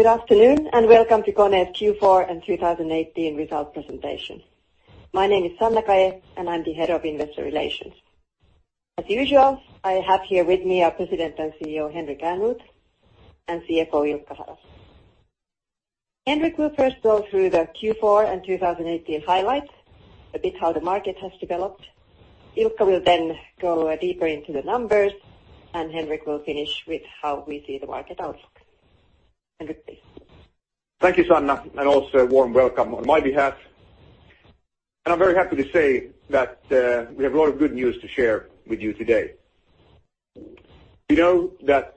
Good afternoon, and welcome to KONE's Q4 and 2018 results presentation. My name is Sanna Kaje, and I'm the Head of Investor Relations. As usual, I have here with me our President and CEO, Henrik Ehrnrooth, and CFO, Ilkka Hara. Henrik will first go through the Q4 and 2018 highlights, a bit how the market has developed. Ilkka will then go deeper into the numbers, and Henrik will finish with how we see the market outlook. Henrik, please. Thank you, Sanna, and also a warm welcome on my behalf. I'm very happy to say that we have a lot of good news to share with you today. We know that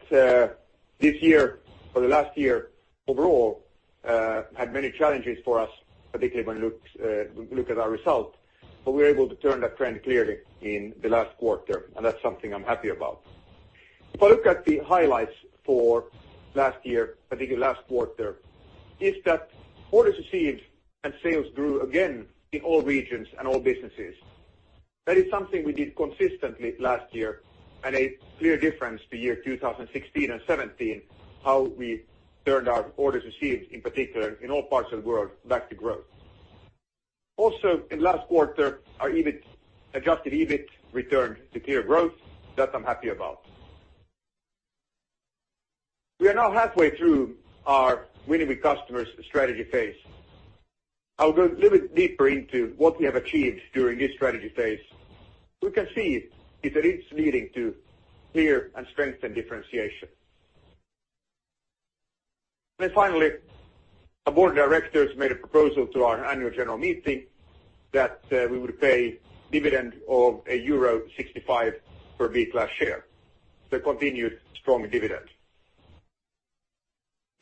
this year or the last year overall, had many challenges for us, particularly when we look at our results, we were able to turn that trend clearly in the last quarter, and that's something I'm happy about. If I look at the highlights for last year, particularly last quarter, is that orders received and sales grew again in all regions and all businesses. That is something we did consistently last year and a clear difference to year 2016 and 2017, how we turned our orders received, in particular, in all parts of the world back to growth. Also, in last quarter, our adjusted EBIT returned to clear growth. That I'm happy about. We are now halfway through our Winning with Customers strategy phase. I will go a little bit deeper into what we have achieved during this strategy phase. We can see if it is leading to clear and strengthened differentiation. Finally, our Board of Directors made a proposal to our Annual General Meeting that we would pay dividend of euro 1.65 per B class share, the continued strong dividend.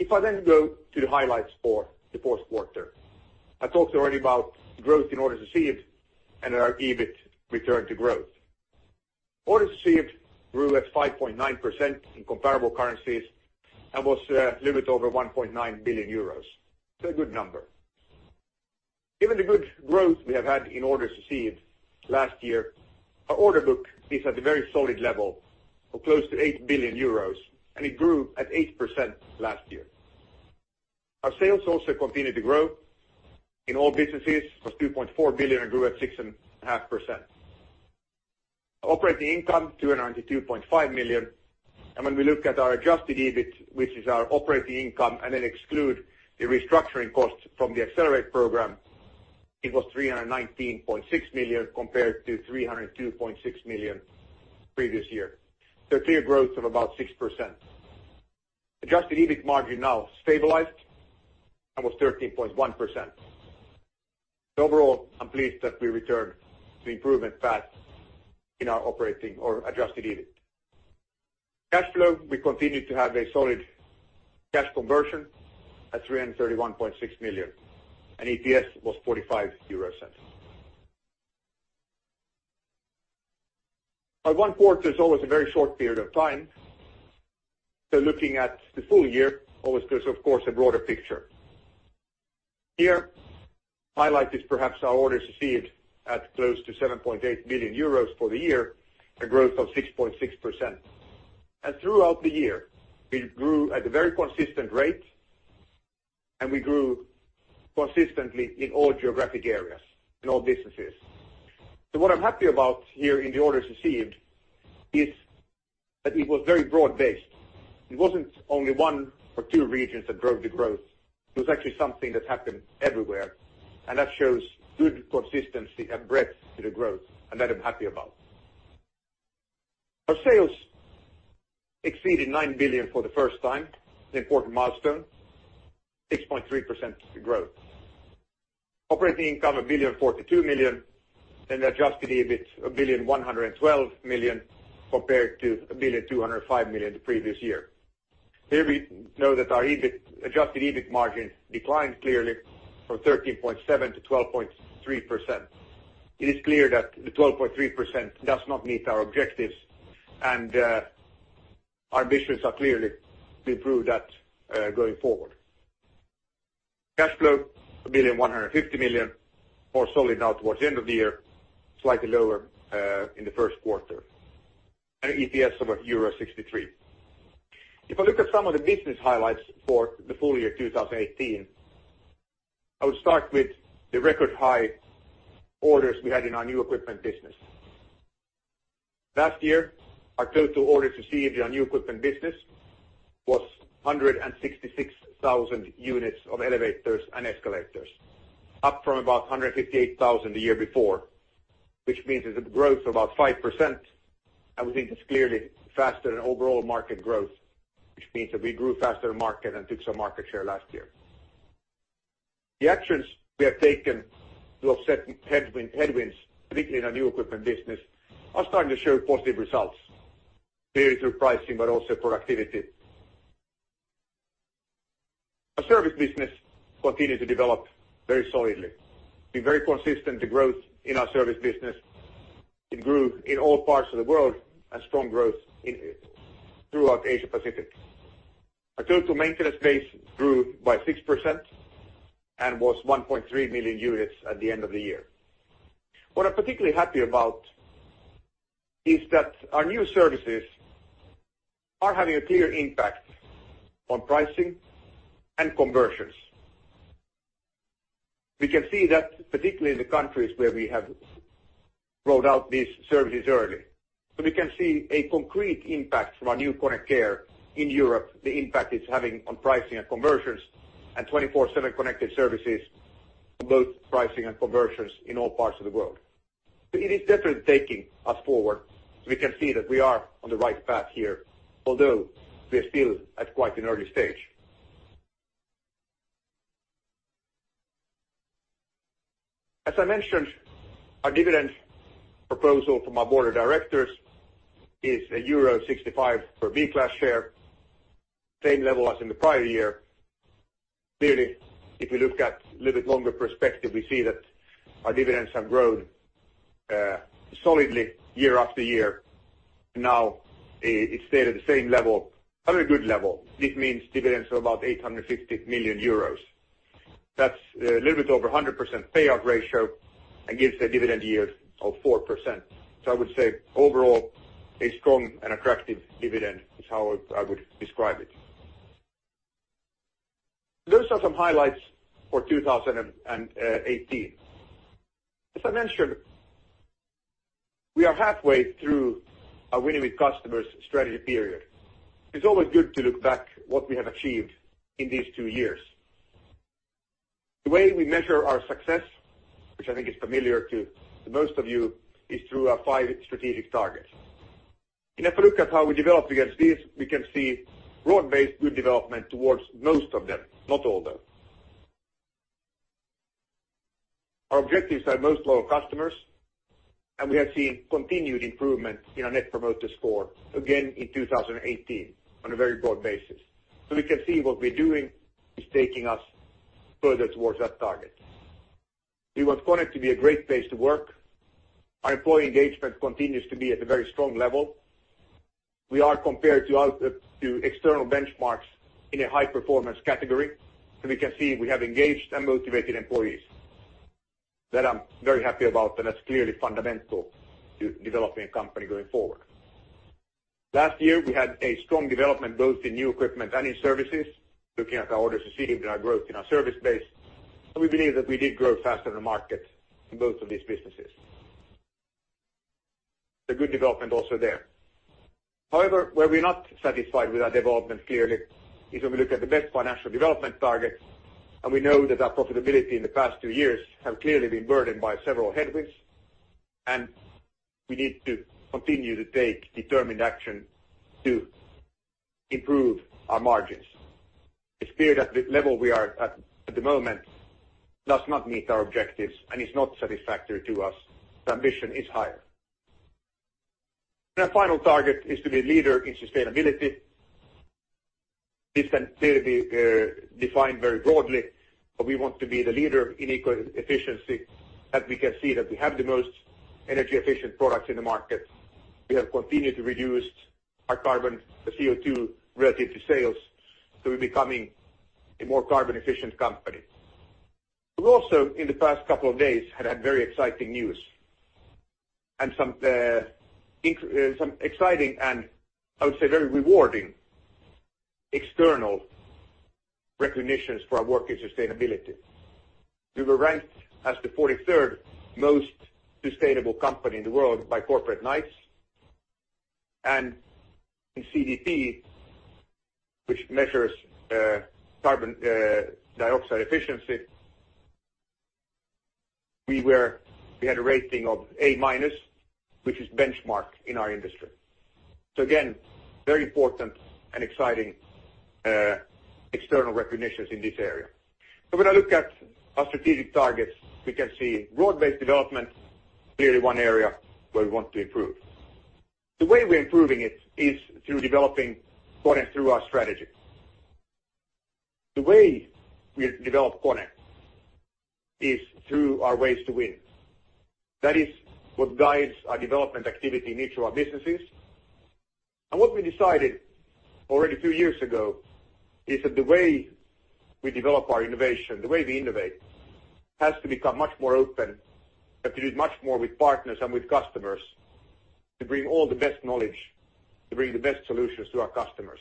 If I then go to the highlights for the Q4, I talked already about growth in orders received and our EBIT return to growth. Orders received grew at 5.9% in comparable currencies and was a little bit over 1.9 billion euros. It's a good number. Given the good growth we have had in orders received last year, our order book is at a very solid level of close to 8 billion euros, and it grew at 8% last year. Our sales also continued to grow in all businesses, was 2.4 billion and grew at 6.5%. Operating income, 292.5 million. When we look at our adjusted EBIT, which is our operating income, and then exclude the restructuring costs from the Accelerate program, it was 319.6 million compared to 302.6 million previous year. Clear growth of about 6%. Adjusted EBIT margin now stabilized and was 13.1%. Overall, I'm pleased that we returned to the improvement path in our operating or adjusted EBIT. Cash flow, we continued to have a solid cash conversion at 331.6 million, and EPS was 0.45. One quarter is always a very short period of time, looking at the full year always gives, of course, a broader picture. Here, highlight is perhaps our orders received at close to 7.8 billion euros for the year, a growth of 6.6%. Throughout the year, we grew at a very consistent rate. We grew consistently in all geographic areas, in all businesses. What I'm happy about here in the orders received is that it was very broad-based. It wasn't only one or two regions that drove the growth. It was actually something that happened everywhere. That shows good consistency and breadth to the growth. That I'm happy about. Our sales exceeded 9 billion for the first time, an important milestone, 6.3% growth. Operating income, 1,042 million and adjusted EBIT, 1,112 million compared to 1,205 million the previous year. We know that our adjusted EBIT margin declined clearly from 13.7% to 12.3%. It is clear that the 12.3% does not meet our objectives, and our ambitions are clearly to improve that going forward. Cash flow, 1,150 million, more solid now towards the end of the year, slightly lower in the Q1. An EPS of euro 1.63. If I look at some of the business highlights for the full year 2018, I would start with the record high orders we had in our new equipment business. Last year, our total orders received on new equipment business was 166,000 units of elevators and escalators, up from about 158,000 the year before, which means it's a growth of about 5%. We think it's clearly faster than overall market growth, which means that we grew faster than market and took some market share last year. The actions we have taken to offset headwinds, particularly in our new equipment business, are starting to show positive results, clearly through pricing but also productivity. Our service business continued to develop very solidly. Been very consistent, the growth in our service business. It grew in all parts of the world and strong growth throughout Asia Pacific. Our total maintenance base grew by 6% and was 1.3 million units at the end of the year. What I'm particularly happy about is that our new services are having a clear impact on pricing and conversions. We can see that particularly in the countries where we have rolled out these services early. We can see a concrete impact from our new KONE Care in Europe, the impact it's having on pricing and conversions and 24/7 Connected Services on both pricing and conversions in all parts of the world. It is definitely taking us forward. We can see that we are on the right path here, although we are still at quite an early stage. As I mentioned, our dividend proposal from our board of directors is euro 1.65 per B class share, same level as in the prior year. If you look at a little bit longer perspective, we see that our dividends have grown solidly year after year, and now it's stayed at the same level. A very good level. This means dividends of about 850 million euros. That's a little bit over 100% payout ratio and gives a dividend yield of 4%. I would say overall, a strong and attractive dividend is how I would describe it. Those are some highlights for 2018. As I mentioned, we are halfway through our Winning with Customers strategy period. It's always good to look back what we have achieved in these two years. The way we measure our success, which I think is familiar to most of you, is through our five strategic targets. If we look at how we developed against these, we can see broad-based good development towards most of them, not all of them. Our objectives are most loyal customers. And we have seen continued improvement in our Net Promoter Score again in 2018 on a very broad basis. We can see what we're doing is taking us further towards that target. We want KONE to be a great place to work. Our employee engagement continues to be at a very strong level. We are compared to external benchmarks in a high-performance category, and we can see we have engaged and motivated employees. That I'm very happy about, and that's clearly fundamental to developing a company going forward. Last year, we had a strong development, both in new equipment and in services, looking at our orders received and our growth in our service base. We believe that we did grow faster than the market in both of these businesses. Good development also there. However, where we're not satisfied with our development, clearly, is when we look at the best financial development target. We know that our profitability in the past two years have clearly been burdened by several headwinds. And we need to continue to take determined action to improve our margins. It's clear that the level we are at the moment, does not meet our objectives and is not satisfactory to us. The ambition is higher. Our final target is to be a leader in sustainability. This can clearly be defined very broadly. We want to be the leader in eco-efficiency. We can see that we have the most energy efficient products in the market. We have continued to reduce our carbon, the CO2 relative to sales, so we're becoming a more carbon efficient company. We've also, in the past couple of days, had very exciting news and some exciting and, I would say, very rewarding external recognitions for our work in sustainability. We were ranked as the 43rd most sustainable company in the world by Corporate Knights and in CDP, which measures carbon dioxide efficiency, we had a rating of A minus, which is benchmark in our industry. Again, very important and exciting external recognitions in this area. When I look at our strategic targets, we can see broad-based development, clearly one area where we want to improve. The way we're improving it is through developing KONE through our strategy. The way we develop KONE is through our ways to win. That is what guides our development activity in each of our businesses. And what we decided already two years ago is that the way we develop our innovation, the way we innovate, has to become much more open. We have to do it much more with partners than with customers to bring all the best knowledge, to bring the best solutions to our customers.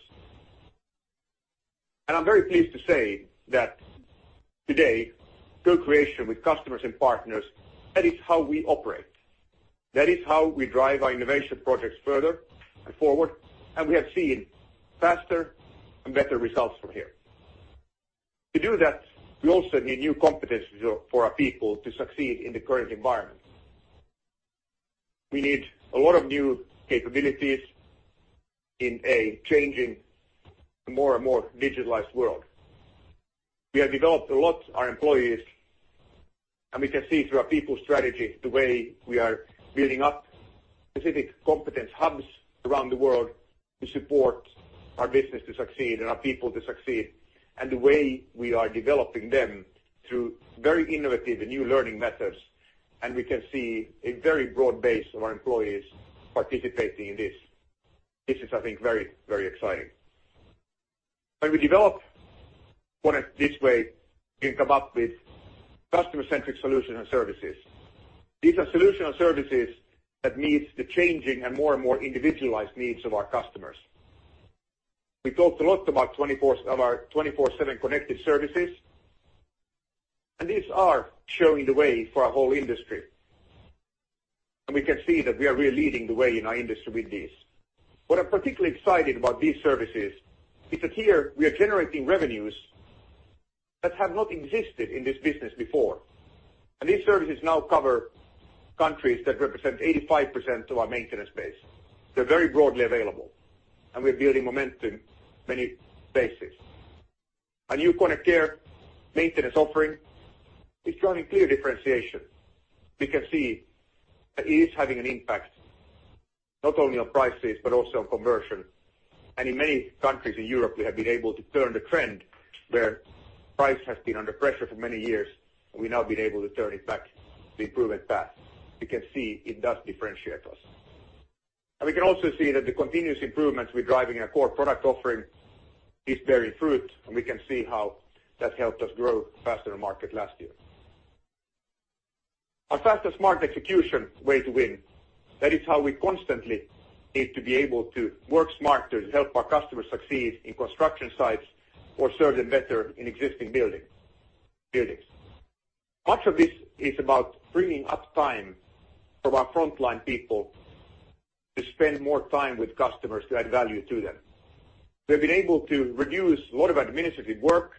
I'm very pleased to say that today, co-creation with customers and partners, that is how we operate. That is how we drive our innovation projects further and forward. We have seen faster and better results from here. To do that, we also need new competencies for our people to succeed in the current environment. We need a lot of new capabilities in a changing, more and more digitalized world. We have developed a lot our employees. And we can see through our people strategy the way we are building up specific competence hubs around the world to support our business to succeed and our people to succeed and the way we are developing them through very innovative and new learning methods. We can see a very broad base of our employees participating in this. This is, I think, very, very exciting. When we develop KONE this way, we can come up with customer-centric solutions and services. These are solutions and services that meet the changing and more and more individualized needs of our customers. We talked a lot about our 24/7 Connected Services. These are showing the way for our whole industry. We can see that we are really leading the way in our industry with this. What I'm particularly excited about these services is that here we are generating revenues that have not existed in this business before. These services now cover countries that represent 85% of our maintenance base. They're very broadly available. We're building momentum on many bases. Our new KONE Care maintenance offering is driving clear differentiation. We can see that it is having an impact, not only on prices but also on conversion. In many countries in Europe, we have been able to turn the trend where price has been under pressure for many years. We've now been able to turn it back to the improvement path. We can see it does differentiate us. And we can also see that the continuous improvements we're driving in our core product offering is bearing fruit. We can see how that helped us grow faster in the market last year. Our faster, smart execution way to win. That is how we constantly need to be able to work smarter to help our customers succeed in construction sites or serve them better in existing buildings. Much of this is about freeing up time from our frontline people to spend more time with customers to add value to them. We've been able to reduce a lot of administrative work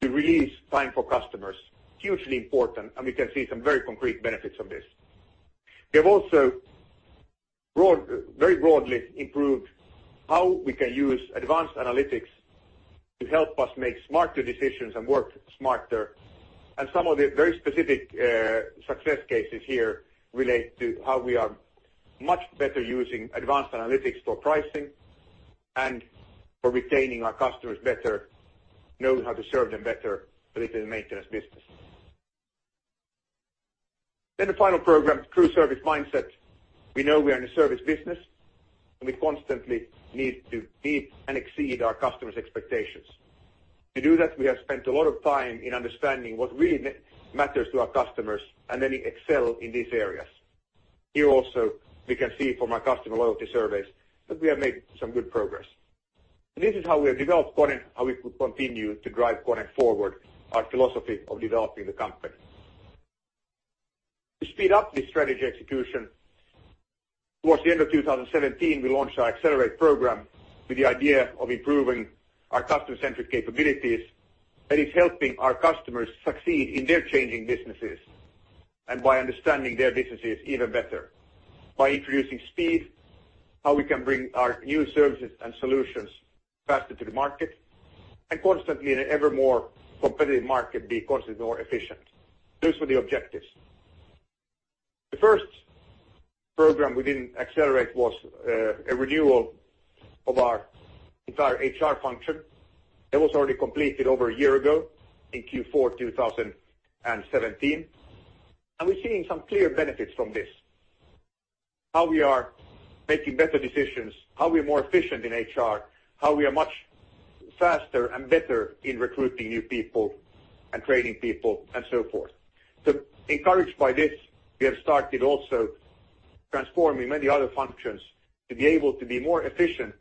to release time for customers. Hugely important. We can see some very concrete benefits of this. We have also very broadly improved how we can use advanced analytics to help us make smarter decisions and work smarter. Some of the very specific success cases here relate to how we are much better using advanced analytics for pricing and for retaining our customers better, know how to serve them better, particularly in the maintenance business. Then final program, true service mindset. We know we are in the service business. We constantly need to meet and exceed our customers' expectations. To do that, we have spent a lot of time in understanding what really matters to our customers and then excel in these areas. Here also, we can see from our customer loyalty surveys that we have made some good progress. This is how we have developed KONE, how we could continue to drive KONE forward, our philosophy of developing the company. To speed up this strategy execution, towards the end of 2017, we launched our Accelerate program with the idea of improving our customer-centric capabilities. That is helping our customers succeed in their changing businesses and by understanding their businesses even better. By introducing speed, how we can bring our new services and solutions faster to the market, and constantly in an ever more competitive market, be constantly more efficient. Those were the objectives. The first program within Accelerate was a renewal of our entire HR function. That was already completed over a year ago in Q4 2017. We're seeing some clear benefits from this. How we are making better decisions, how we are more efficient in HR, how we are much faster and better in recruiting new people and training people and so forth. Encouraged by this, we have started also transforming many other functions to be able to be more efficient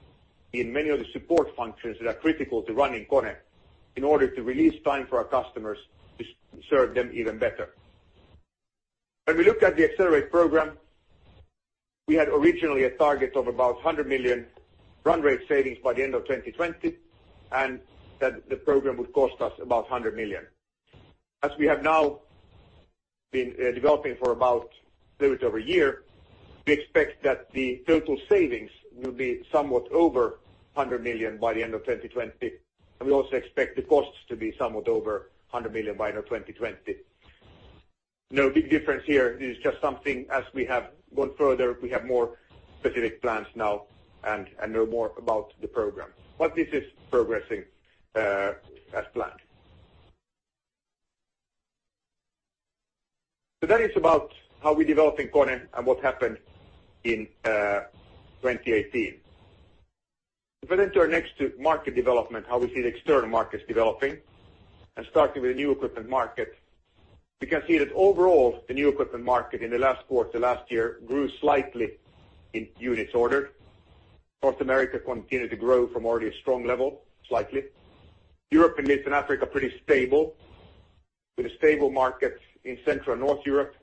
in many of the support functions that are critical to running KONE in order to release time for our customers to serve them even better. When we looked at the Accelerate program, we had originally a target of about 100 million run rate savings by the end of 2020, and that the program would cost us about 100 million. As we have now been developing for about a little bit over a year, we expect that the total savings will be somewhat over 100 million by the end of 2020, and we also expect the costs to be somewhat over 100 million by the 2020. No big difference here, it is just something as we have gone further, we have more specific plans now and know more about the program. This is progressing as planned. That is about how we're developing KONE and what happened in 2018. If I then turn next to market development, how we see the external markets developing and starting with the new equipment market. We can see that overall, the new equipment market in the last quarter, last year, grew slightly in units ordered. North America continued to grow from already a strong level, slightly. Europe and Middle East and Africa, pretty stable, with stable markets in Central and North Europe,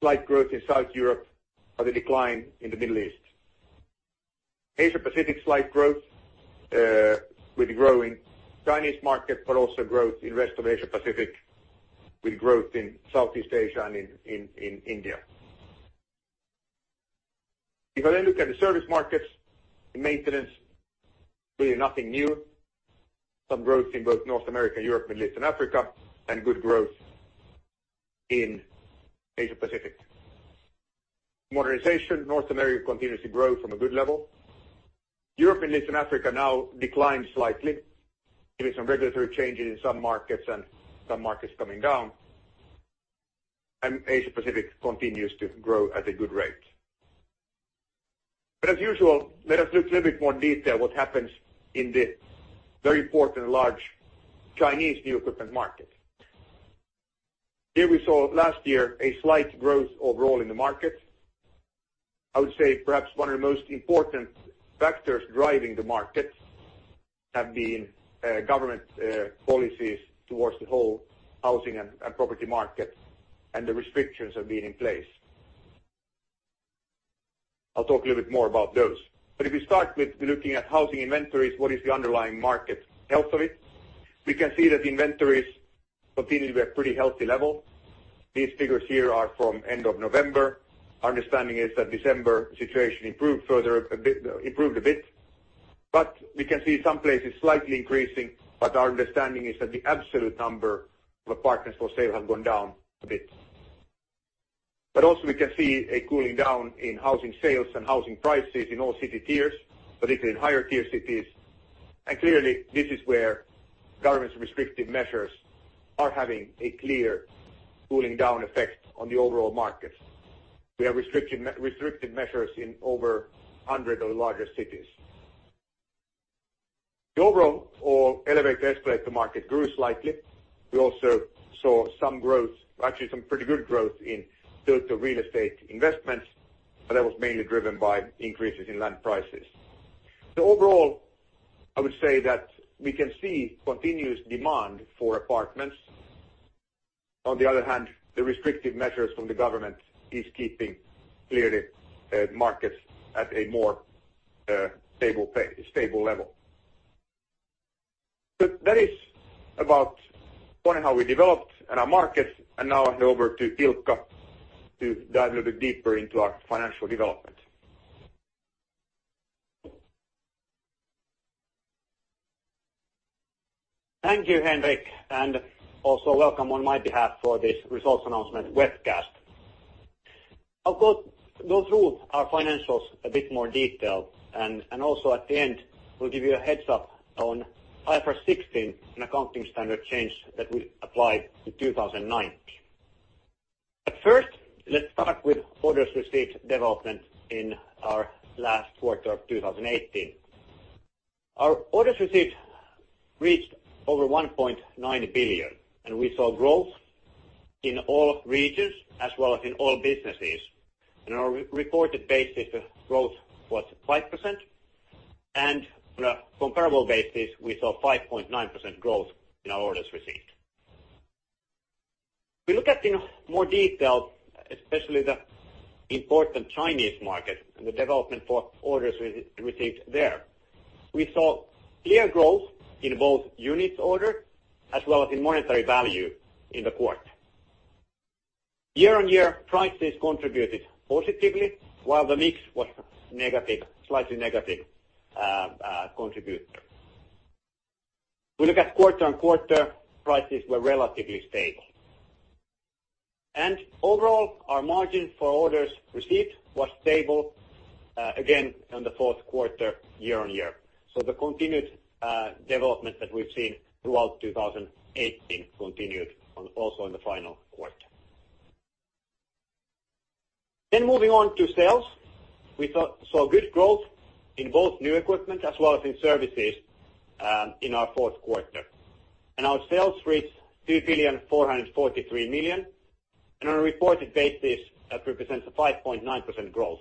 slight growth in South Europe, but a decline in the Middle East. Asia-Pacific, slight growth, with growing Chinese market, but also growth in rest of Asia-Pacific with growth in Southeast Asia and in India. If I then look at the service markets, the maintenance, really nothing new. Some growth in both North America, Europe, Middle East, and Africa, and good growth in Asia-Pacific. Modernization. North America continues to grow from a good level. Europe and Eastern Africa now declined slightly, giving some regulatory changes in some markets and some markets coming down. And Asia-Pacific continues to grow at a good rate. As usual, let us look in a little bit more detail what happens in the very important and large Chinese new equipment market. Here we saw last year a slight growth overall in the market. I would say perhaps one of the most important factors driving the market have been government policies towards the whole housing and property market, and the restrictions have been in place. I'll talk a little bit more about those. If we start with looking at housing inventories, what is the underlying market health of it? We can see that the inventories continue to be at a pretty healthy level. These figures here are from end of November. Our understanding is that December situation improved a bit. But we can see some places slightly increasing, our understanding is that the absolute number of apartments for sale have gone down a bit. But also we can see a cooling down in housing sales and housing prices in all city tiers, particularly in higher tier cities. Clearly, this is where government's restrictive measures are having a clear cooling down effect on the overall market. We have restricted measures in over 100 of the larger cities. The overall elevator escalator market grew slightly. We also saw some growth, actually, some pretty good growth in total real estate investments, but that was mainly driven by increases in land prices. The overall, I would say that we can see continuous demand for apartments. On the other hand, the restrictive measures from the government is keeping, clearly, markets at a more stable level. That is about KONE, how we developed and our markets, and now hand over to Ilkka to dive a little bit deeper into our financial development. Thank you, Henrik, and also welcome on my behalf for this results announcement webcast. I'll go through our financials a bit more detail, also at the end, we'll give you a heads-up on IFRS 16 and accounting standard change that will apply to 2019. First, let's start with orders received development in our last quarter of 2018. Our orders received reached over 1.9 billion, and we saw growth in all regions as well as in all businesses. In a reported basis, the growth was 5%, and on a comparable basis, we saw 5.9% growth in our orders received. We look at in more detail, especially the important Chinese market and the development for orders received there. We saw clear growth in both units order as well as in monetary value in the quarter. Year-on-year prices contributed positively, while the mix was slightly negative contributor. We look at quarter-on-quarter, prices were relatively stable. And overall, our margin for orders received was stable, again, in the Q4 year-on-year. The continued development that we've seen throughout 2018 continued also in the final quarter. Moving on to sales. We saw good growth in both new equipment as well as in services in our Q4. And our sales reached 2.443 billion, and on a reported basis, that represents a 5.9% growth.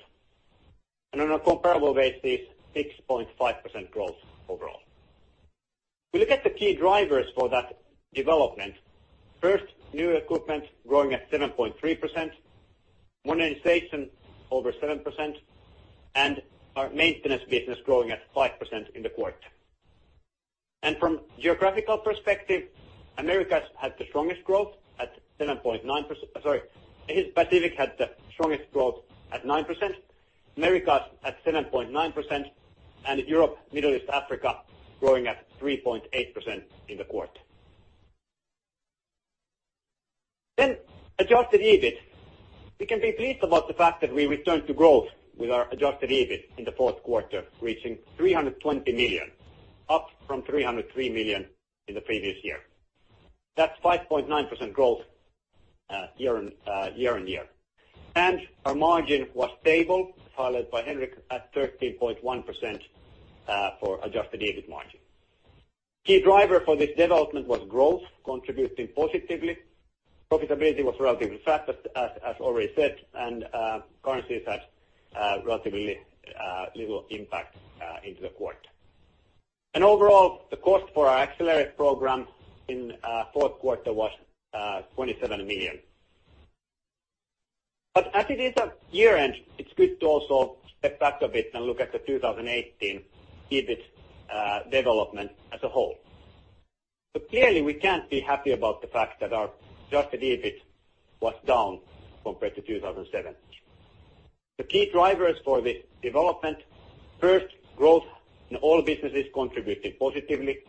On a comparable basis, 6.5% growth overall. We look at the key drivers for that development. First, new equipment growing at 7.3%, modernization over 7%, and our maintenance business growing at 5% in the quarter. And from geographical perspective, Americas had the strongest growth at 7.9%. Asia Pacific had the strongest growth at 9%, Americas at 7.9%, and Europe, Middle East, Africa growing at 3.8% in the quarter. Then adjusted EBIT. We can be pleased about the fact that we returned to growth with our adjusted EBIT in the Q4, reaching 320 million, up from 303 million in the previous year. That's 5.9% growth year-on-year. Our margin was stable, as highlighted by Henrik, at 13.1% for adjusted EBIT margin. Key driver for this development was growth contributing positively. Profitability was relatively flat as already said, and currencies had relatively little impact into the quarter. Overall, the cost for our Accelerate program in Q4 was 27 million. As it is at year-end, it's good to also step back a bit and look at the 2018 EBIT development as a whole. Clearly, we can't be happy about the fact that our adjusted EBIT was down compared to 2017. The key drivers for this development, first, growth in all businesses contributed positively.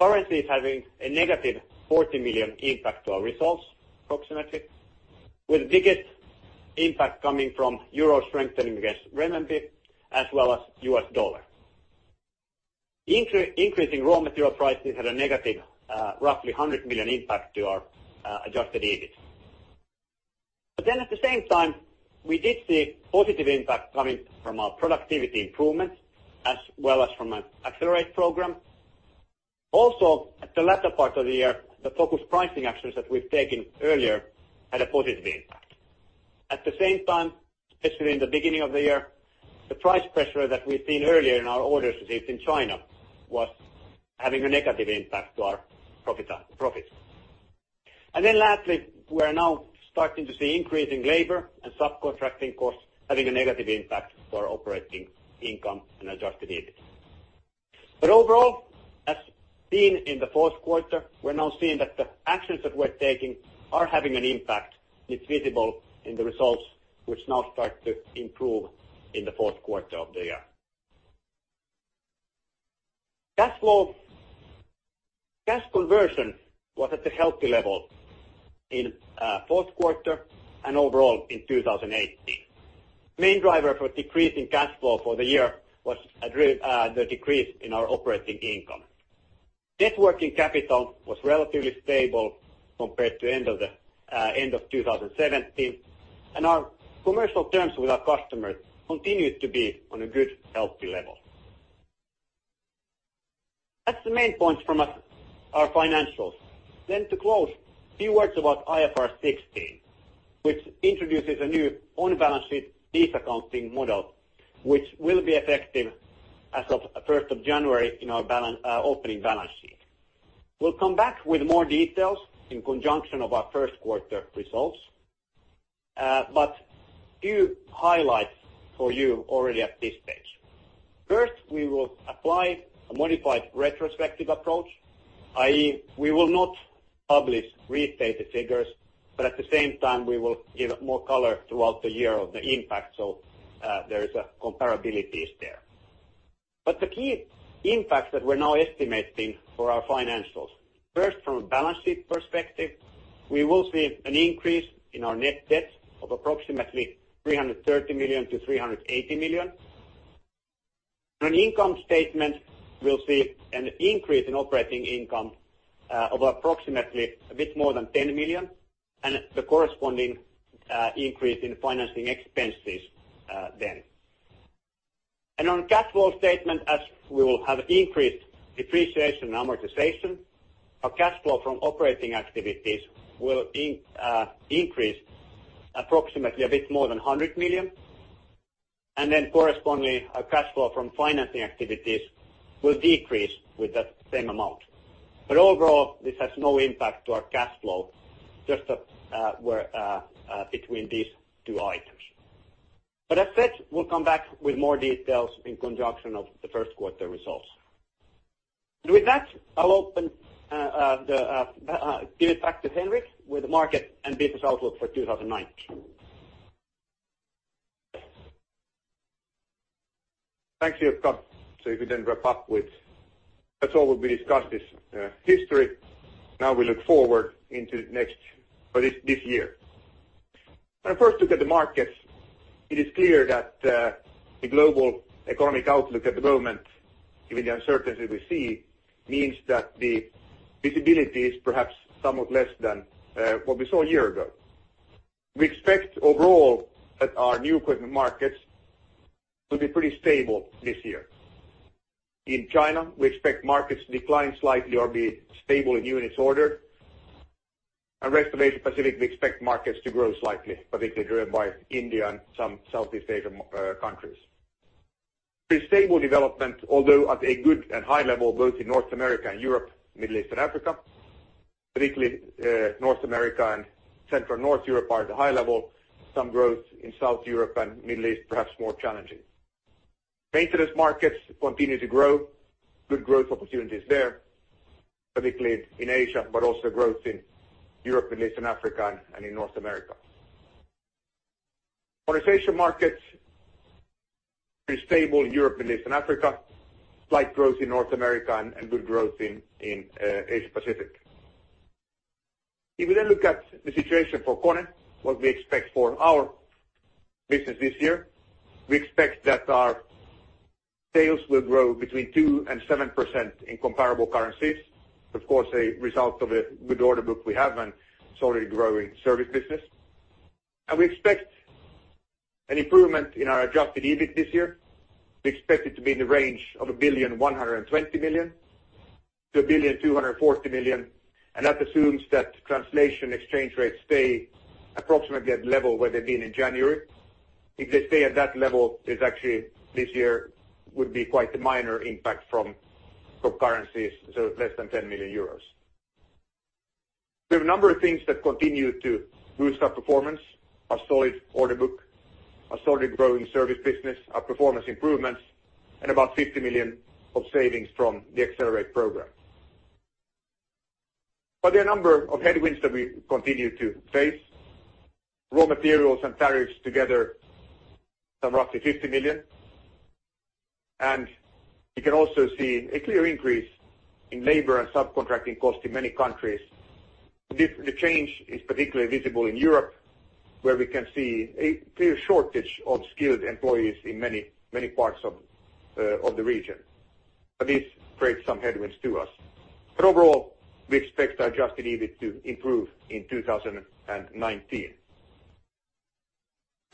Currency is having a negative 40 million impact to our results, approximately, with the biggest impact coming from EUR strengthening against CNY as well as USD. Increasing raw material prices had a negative, roughly 100 million impact to our adjusted EBIT. Then at the same time, we did see positive impact coming from our productivity improvements as well as from our Accelerate program. Also, at the latter part of the year, the focused pricing actions that we've taken earlier had a positive impact. At the same time, especially in the beginning of the year, the price pressure that we've seen earlier in our orders received in China was having a negative impact to our profits. And then lastly, we are now starting to see increasing labor and subcontracting costs having a negative impact to our operating income and adjusted EBIT. Overall, as seen in the Q4, we're now seeing that the actions that we're taking are having an impact. It's visible in the results, which now start to improve in the Q4 of the year. Cash flow. Cash conversion was at a healthy level in Q4 and overall in 2018. Main driver for decrease in cash flow for the year was the decrease in our operating income. Net working capital was relatively stable compared to end of 2017, and our commercial terms with our customers continued to be on a good, healthy level. That's the main points from our financials. Then to close, a few words about IFRS 16, which introduces a new on-balance sheet lease accounting model, which will be effective as of 1st of January in our opening balance sheet. We'll come back with more details in conjunction of our Q1 results. But few highlights for you already at this stage. First, we will apply a modified retrospective approach, i.e., we will not publish restated figures, at the same time, we will give more color throughout the year of the impact. There is a comparability there. The key impacts that we're now estimating for our financials. First, from a balance sheet perspective, we will see an increase in our net debt of approximately 330 million-380 million. On income statement, we'll see an increase in operating income of approximately a bit more than 10 million and the corresponding increase in financing expenses then. On cash flow statement, as we will have increased depreciation and amortization, our cash flow from operating activities will increase approximately a bit more than 100 million. Correspondingly, our cash flow from financing activities will decrease with that same amount. But overall, this has no impact to our cash flow, just between these two items. As said, we'll come back with more details in conjunction of the Q1 results. With that, I'll give it back to Henrik with the market and business outlook for 2019. Thanks, Ilkka. If we then wrap up with that's all what we discussed is history. Now we look forward into this year. When I first look at the markets, it is clear that the global economic outlook at the moment, given the uncertainty we see, means that the visibility is perhaps somewhat less than what we saw a year ago. We expect overall that our new equipment markets will be pretty stable this year. In China, we expect markets to decline slightly or be stable in units order. Rest of Asia-Pacific, we expect markets to grow slightly, particularly driven by India and some Southeast Asian countries. Pretty stable development, although at a good and high level, both in North America and Europe, Middle East, and Africa. Particularly North America and Central North Europe are at a high level. Some growth in South Europe and Middle East, perhaps more challenging. Maintenance markets continue to grow. Good growth opportunities there, particularly in Asia, but also growth in Europe, Middle East, and Africa, and in North America. Modernization markets pretty stable in Europe, Middle East, and Africa. Slight growth in North America and good growth in Asia-Pacific. If we look at the situation for KONE, what we expect for our business this year, we expect that our sales will grow between 2% and 7% in comparable currencies. Of course, a result of a good order book we have and solid growing service business. And we expect an improvement in our adjusted EBIT this year. We expect it to be in the range of 1,120 million to 1,240 million, and that assumes that translation exchange rates stay approximately at level where they've been in January. If they stay at that level, it's actually this year would be quite a minor impact from currencies, so less than 10 million euros. There are a number of things that continue to boost our performance, our solid order book, our solid growing service business, our performance improvements, and about 50 million of savings from the Accelerate program. But there are a number of headwinds that we continue to face. Raw materials and tariffs together, some roughly 50 million. And you can also see a clear increase in labor and subcontracting cost in many countries. The change is particularly visible in Europe, where we can see a clear shortage of skilled employees in many parts of the region. This creates some headwinds to us. But overall, we expect adjusted EBIT to improve in 2019.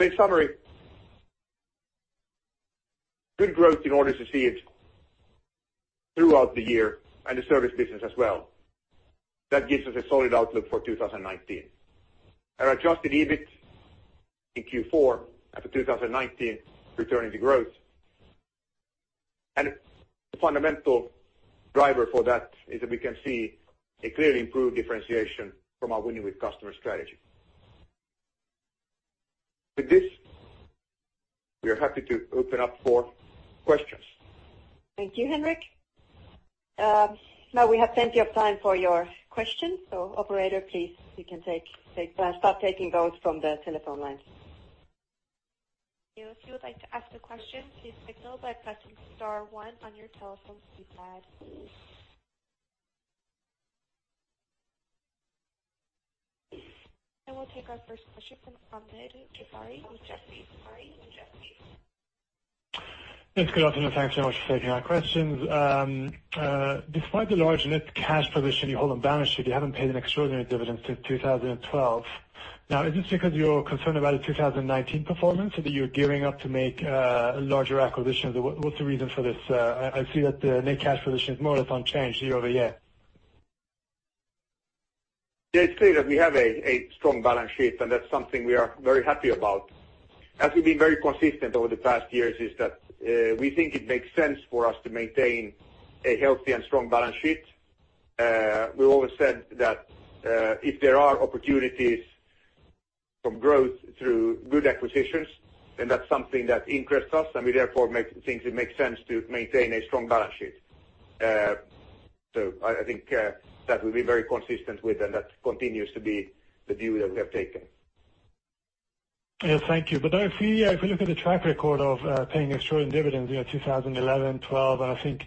In summary, good growth in orders received throughout the year, and the service business as well. That gives us a solid outlook for 2019. Our adjusted EBIT in Q4 and for 2019 returning to growth. A fundamental driver for that is that we can see a clearly improved differentiation from our Winning with Customers strategy. With this, we are happy to open up for questions. Thank you, Henrik. Now we have plenty of time for your questions. Operator, please, you can start taking those from the telephone lines. If you would like to ask a question, please signal by pressing star one on your telephone keypad. We'll take our first question from Hamid Jafari with Jefferies. Thanks. Good afternoon. Thanks so much for taking our questions. Despite the large net cash position you hold on the balance sheet, you haven't paid an extraordinary dividend since 2012. Is this because you're concerned about a 2019 performance, or that you're gearing up to make larger acquisitions? What's the reason for this? I see that the net cash position is more or less unchanged year-over-year. Yeah, it's clear that we have a strong balance sheet, and that's something we are very happy about. As we've been very consistent over the past years, is that we think it makes sense for us to maintain a healthy and strong balance sheet. We've always said that if there are opportunities from growth through good acquisitions, that's something that interests us and we therefore think it makes sense to maintain a strong balance sheet. So I think that we'll be very consistent with, and that continues to be the view that we have taken. Yes, thank you. If we look at the track record of paying extraordinary dividends, 2011, 2012, and I think,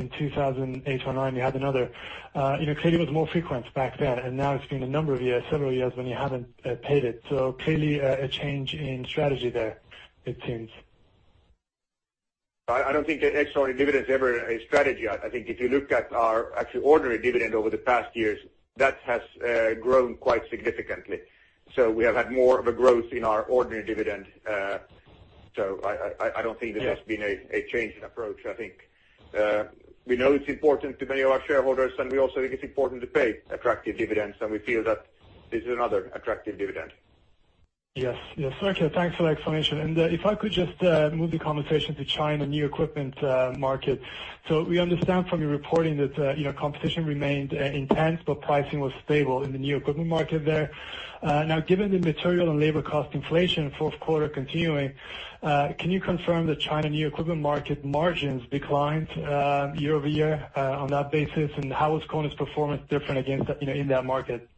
in 2008 or 2009, you had another. Clearly it was more frequent back then, and now it's been a number of years, several years, when you haven't paid it. Clearly, a change in strategy there, it seems. I don't think an extraordinary dividend is ever a strategy. I think if you look at our actual ordinary dividend over the past years, that has grown quite significantly. So we have had more of a growth in our ordinary dividend. I don't think this has been a change in approach. I think, we know it's important to many of our shareholders, and we also think it's important to pay attractive dividends, and we feel that this is another attractive dividend. Yes. Thank you. Thanks for that explanation. If I could just move the conversation to China new equipment market. So we understand from your reporting that competition remained intense, but pricing was stable in the new equipment market there. Now, given the material and labor cost inflation in Q4 continuing, can you confirm that China new equipment market margins declined year-over-year on that basis, and how is KONE's performance different in that market?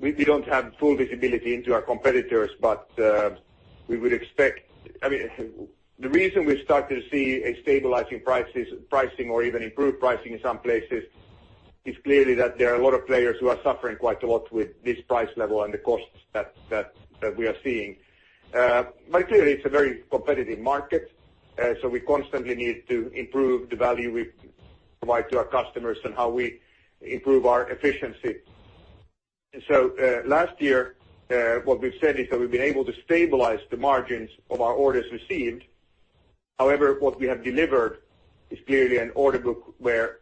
We don't have full visibility into our competitors, but we will expect, the reason we start to see a stabilizing pricing or even improved pricing in some places, is clearly that there are a lot of players who are suffering quite a lot with this price level and the costs that we are seeing. Clearly, it's a very competitive market. We constantly need to improve the value we provide to our customers and how we improve our efficiency. So last year, what we've said is that we've been able to stabilize the margins of our orders received. However, what we have delivered is clearly an order book where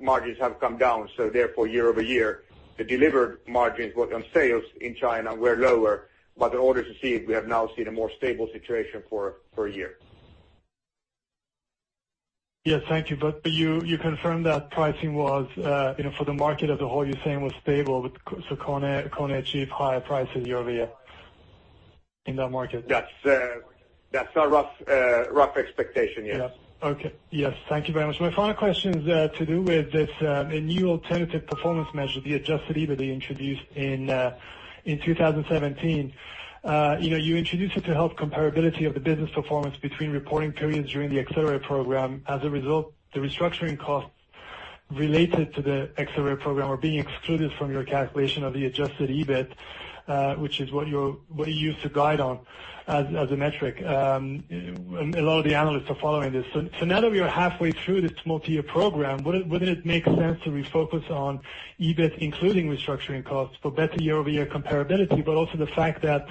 margins have come down, therefore, year-over-year, the delivered margins both on sales in China were lower, but the orders received, we have now seen a more stable situation for a year. Yes, thank you confirm that pricing for the market as a whole, you're saying was stable, so KONE achieved higher prices year-over-year in that market? That's our rough expectation, yes. Okay, yeah, thank you very much. My final question is to do with this new alternative performance measure, the adjusted EBIT you introduced in 2017. You introduced it to help comparability of the business performance between reporting periods during the Accelerate program. As a result, the restructuring costs related to the Accelerate program are being excluded from your calculation of the adjusted EBIT, which is what you use to guide on as a metric. A lot of the analysts are following this. Now that we are halfway through this multi-year program, wouldn't it make sense to refocus on EBIT, including restructuring costs for better year-over-year comparability, also the fact that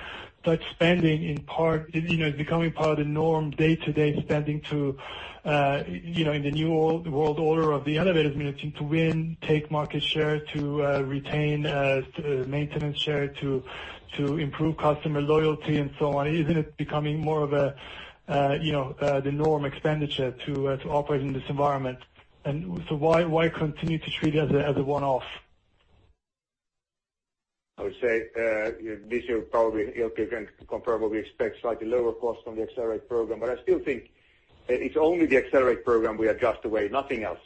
such spending in part, is becoming part of the norm, day-to-day spending to, in the new world order of the elevators meaning to win, take market share, to retain maintenance share, to improve customer loyalty and so on. Isn't it becoming more of the norm expenditure to operate in this environment? Why continue to treat it as a one-off? I would say, this year probably you can compare what we expect, slightly lower cost on the Accelerate program. I still think it's only the Accelerate program we adjust away, nothing else.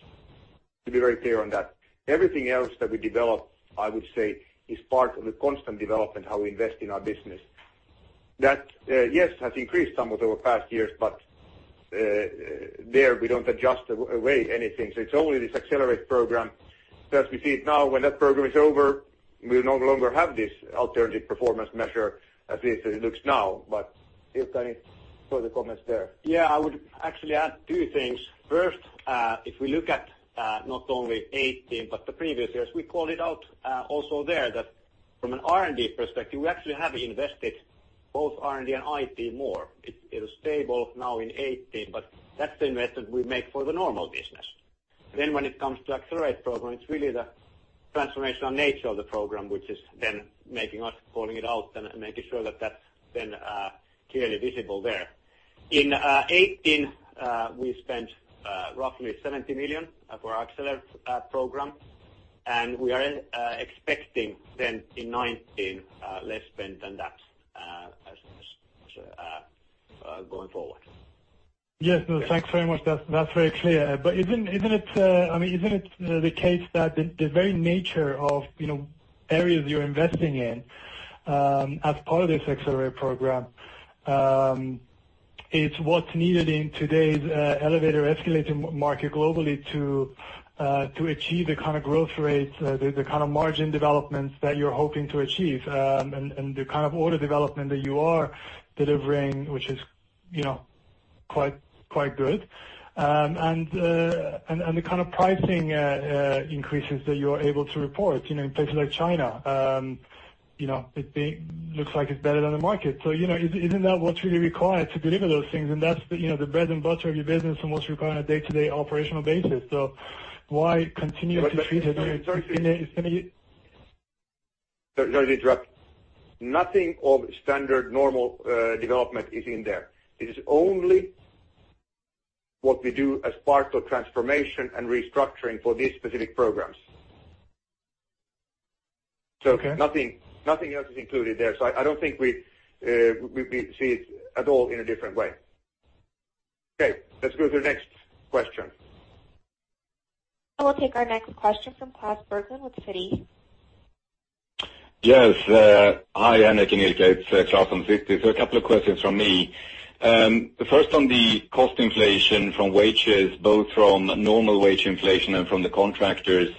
To be very clear on that. Everything else that we develop, I would say, is part of the constant development, how we invest in our business. That, yes, has increased somewhat over past years, but there we don't adjust away anything. It's only this Accelerate program that we see it now. When that program is over, we'll no longer have this alternative performance measure as it looks now. Ilkka, any further comments there? I would actually add two things. First, if we look at not only 2018 but the previous years, we called it out also there, that from an R&D perspective, we actually have invested both R&D and IT more. It is stable now in 2018, but that's the investment we make for the normal business. Then when it comes to Accelerate program, it's really the transformational nature of the program, which is then making us calling it out and making sure that's then clearly visible there. In 2018, we spent roughly 70 million for our Accelerate program, and we are expecting then in 2019, less spend than that going forward. Yes. No, thanks very much. That's very clear. Isn't it the case that the very nature of areas you're investing in as part of this Accelerate program, it's what's needed in today's elevator escalating market globally to achieve the kind of growth rates, the kind of margin developments that you're hoping to achieve and the kind of order development that you are delivering, which is quite good. The kind of pricing increases that you are able to report in places like China. It looks like it's better than the market. Isn't that what's really required to deliver those things? That's the bread and butter of your business and what's required on a day-to-day operational basis. So, why continue to treat it- Sorry to interrupt. Nothing of standard normal development is in there. It is only what we do as part of transformation and restructuring for these specific programs. Okay. Nothing else is included there. I don't think we see it at all in a different way. Okay, let's go to the next question. I will take our next question from Klas Bergelind with Citi. Yes. Hi, Henrik and Ilkka. It's Klas from Citi. A couple of questions from me. First on the cost inflation from wages, both from normal wage inflation and from the contractors.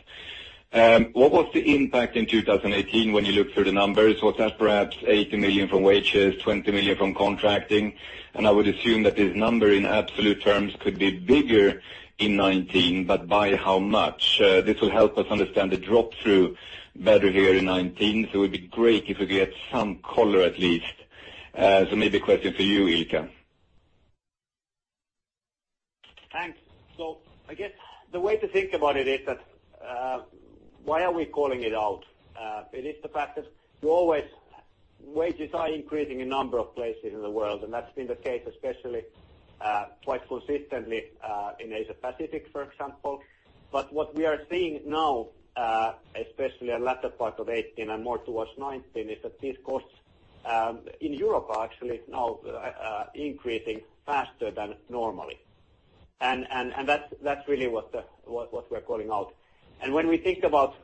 What was the impact in 2018 when you looked through the numbers? Was that perhaps 80 million from wages, 20 million from contracting? I would assume that this number in absolute terms could be bigger in 2019, but by how much? This will help us understand the drop-through better here in 2019. It would be great if we could get some color at least. Maybe a question for you, Ilkka. Thanks. I guess the way to think about it is that, why are we calling it out? It is the fact that wages are increasing in a number of places in the world, and that's been the case especially, quite consistently, in Asia-Pacific, for example. What we are seeing now, especially in latter part of 2018 and more towards 2019, is that these costs, in Europe are actually now increasing faster than normally. And that's really what we're calling out. And when we think about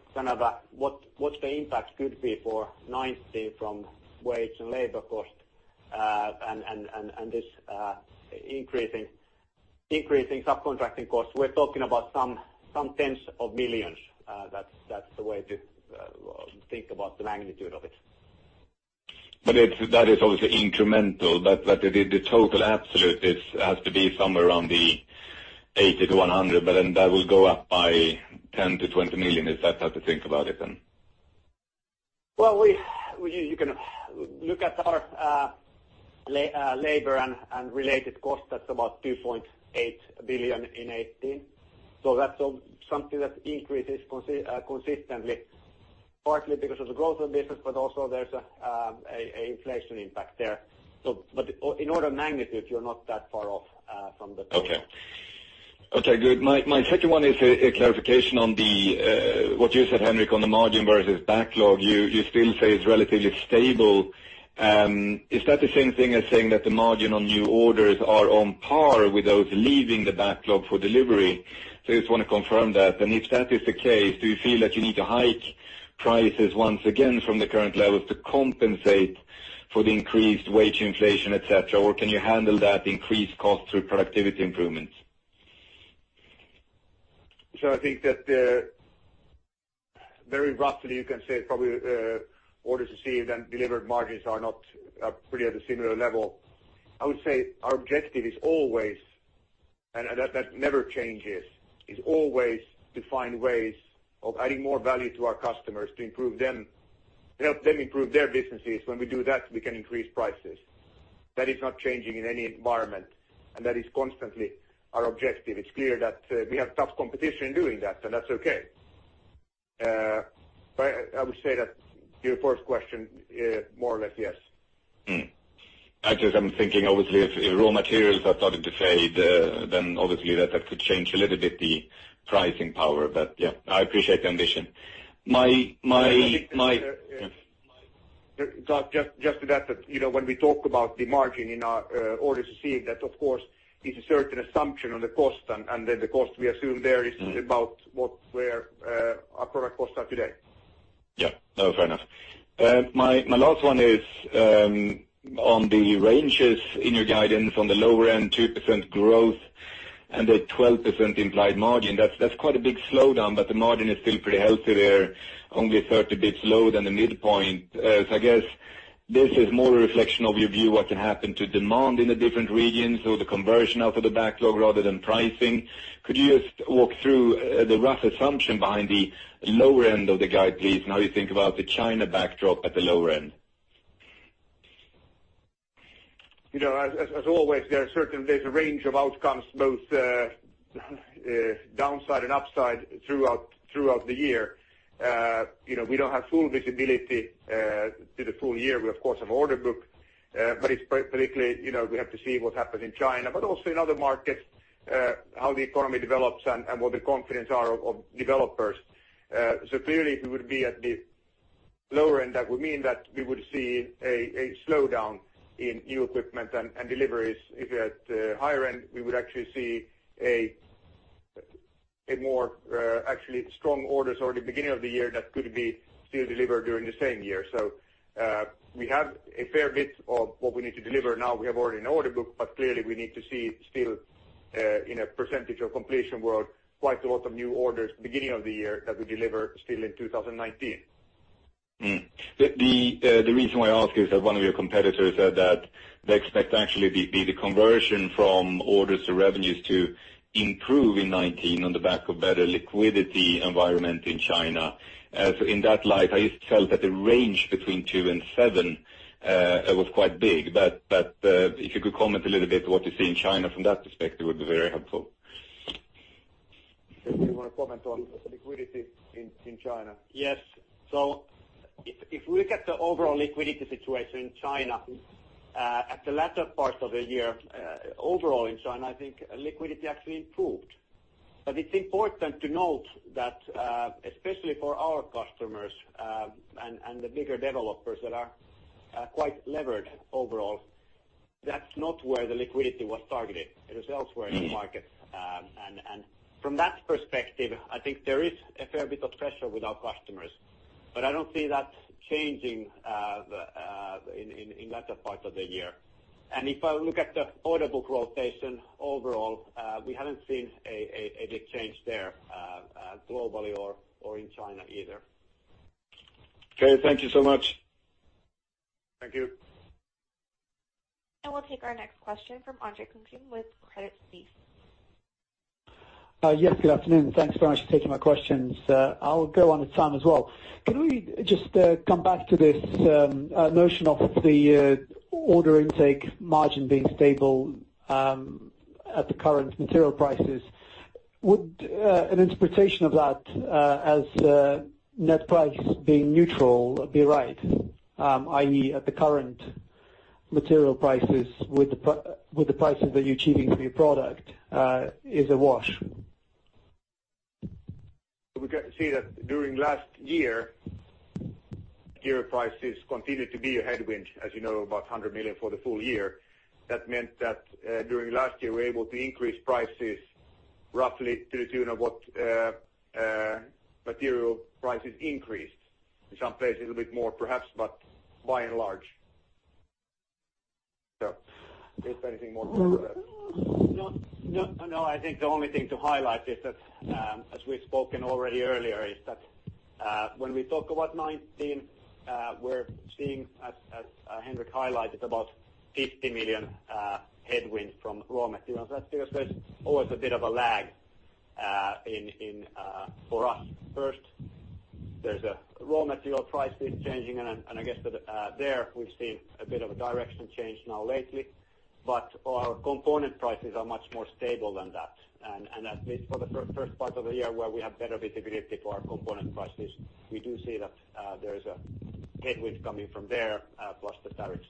what the impact could be for 2019 from wage and labor cost, and this increasing subcontracting costs, we're talking about some tens of millions EUR. That's the way to think about the magnitude of it. That is obviously incremental, but the total absolute has to be somewhere around the 80 to 100. That will go up by 10 million to 20 million, is that how to think about it then? Well, you can look at our labor and related cost. That's about 2.8 billion in 2018. That's something that increases consistently, partly because of the growth of the business, but also there's a inflation impact there. In order of magnitude, you're not that far off from the total. Okay. Okay, good. My second one is a clarification on what you said, Henrik, on the margin versus backlog. You still say it's relatively stable. Is that the same thing as saying that the margin on new orders are on par with those leaving the backlog for delivery? I just want to confirm that. If that is the case, do you feel that you need to hike prices once again from the current levels to compensate for the increased wage inflation, et cetera? Can you handle that increased cost through productivity improvements? Sure, I think that very roughly you can say probably orders received and delivered margins are pretty at a similar level. I would say our objective is always, and that never changes, is always to find ways of adding more value to our customers to help them improve their businesses. When we do that, we can increase prices. That is not changing in any environment, and that is constantly our objective. It's clear that we have tough competition doing that, and that's okay. I would say that to your first question, more or less, yes. I just am thinking obviously if raw materials are starting to fade, obviously that could change a little bit the pricing power. Yeah, I appreciate the ambition. Just to that, when we talk about the margin in our orders received, that of course is a certain assumption on the cost the cost we assume there is about where our product costs are today. Fair enough. My last one is on the ranges in your guidance on the lower end, 2% growth and a 12% implied margin. That's quite a big slowdown, the margin is still pretty healthy there, only 30 bps lower than the midpoint. I guess this is more a reflection of your view of what can happen to demand in the different regions or the conversion of the backlog rather than pricing. Could you just walk through the rough assumption behind the lower end of the guide, please, and how you think about the China backdrop at the lower end? You know, as always, there's a range of outcomes, both downside and upside, throughout the year. We don't have full visibility to the full year. We, of course, have order book. But it's particularly, we have to see what happens in China, but also in other markets, how the economy develops and what the confidence are of developers. Clearly, if we would be at the lower end, that would mean that we would see a slowdown in new equipment and deliveries. If we're at the higher end, we would actually see more strong orders or the beginning of the year that could be still delivered during the same year. We have a fair bit of what we need to deliver now. We have already an order book, clearly we need to see still, in a percentage of completion world, quite a lot of new orders beginning of the year that we deliver still in 2019. The reason why I ask is that one of your competitors said that they expect actually the conversion from orders to revenues to improve in 2019 on the back of better liquidity environment in China. As in that light, I just felt that the range between two and seven was quite big. If you could comment a little bit what you see in China from that perspective, it would be very helpful. If you want to comment on liquidity in China. Yes. so, if we look at the overall liquidity situation in China at the latter part of the year, overall in China, I think liquidity actually improved. It's important to note that, especially for our customers and the bigger developers that are quite levered overall, that's not where the liquidity was targeted. It was elsewhere in the market. And from that perspective, I think there is a fair bit of pressure with our customers. I don't see that changing in that part of the year. If I look at the order book rotation overall, we haven't seen a big change there, globally or in China either. Okay, thank you so much. Thank you. And we'll take our next question from Andre Kukhnin with Credit Suisse. Yes, good afternoon. Thanks very much for taking my questions. I'll go on the time as well. Can we just come back to this notion of the order intake margin being stable at the current material prices? Would an interpretation of that as net price being neutral be right? I.e., at the current material prices with the prices that you're achieving for your product is a wash. We can see that during last year, material prices continued to be a headwind, as you know, about 100 million for the full year. That meant that during last year, we were able to increase prices roughly to the tune of what material prices increased, in some places, a little bit more perhaps, but by and large. If anything more to add to that? No, I think the only thing to highlight is that, as we've spoken already earlier, is that when we talk about 2019, we're seeing, as Henrik highlighted, about 50 million headwind from raw materials. That's because there's always a bit of a lag for us. First, there's raw material prices changing, and I guess there we've seen a bit of a direction change now lately. But our component prices are much more stable than that. At least for the first part of the year where we have better visibility for our component prices, we do see that there is a headwind coming from there, plus the tariffs.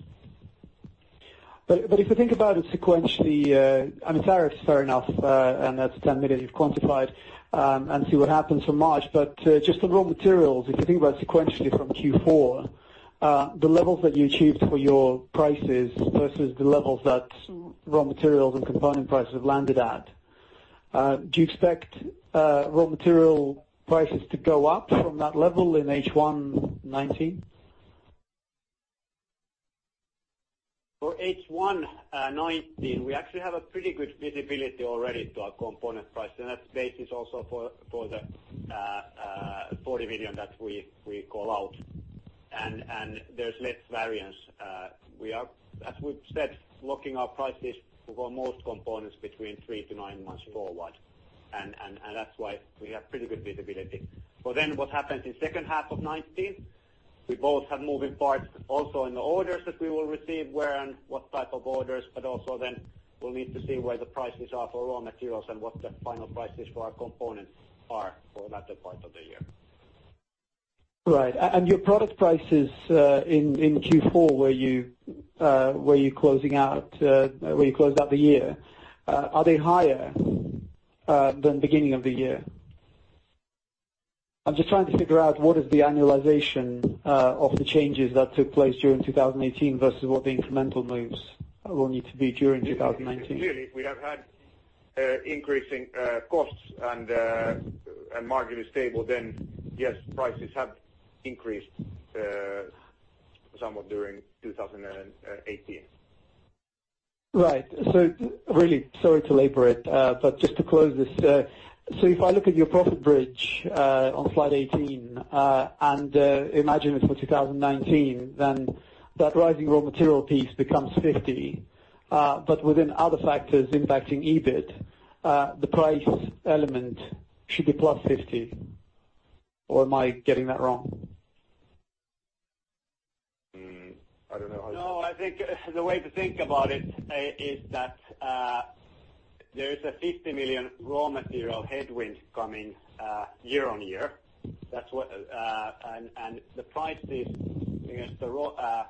If you think about it sequentially, tariffs, fair enough, and that's 10 million you've quantified, and see what happens from March. Just the raw materials, if you think about sequentially from Q4, the levels that you achieved for your prices versus the levels that raw materials and component prices have landed at. Do you expect raw material prices to go up from that level in H1 2019? For H1 2019, we actually have a pretty good visibility already to our component price. That's the basis also for the 40 million that we call out. There's less variance. As we've said, locking our prices for most components between three to nine months forward. That's why we have pretty good visibility. What happens in H2 of 2019, we both have moving parts also in the orders that we will receive, where and what type of orders, but also then we'll need to see where the prices are for raw materials and what the final prices for our components are for that part of the year. Right. And your product prices in Q4, where you closed out the year, are they higher than beginning of the year? I'm just trying to figure out what is the annualization of the changes that took place during 2018 versus what the incremental moves will need to be during 2019. Clearly, we have had increasing costs and margin is stable, then yes, prices have increased somewhat during 2018. Right. So, really, sorry to labor it, but just to close this. If I look at your profit bridge on slide 18 and imagine it for 2019, then that rising raw material piece becomes 50. Within other factors impacting EBIT, the price element should be plus 50, or am I getting that wrong? I don't know how to. No, I think the way to think about it is that there is a 50 million raw material headwind coming year-on-year. The prices against the raw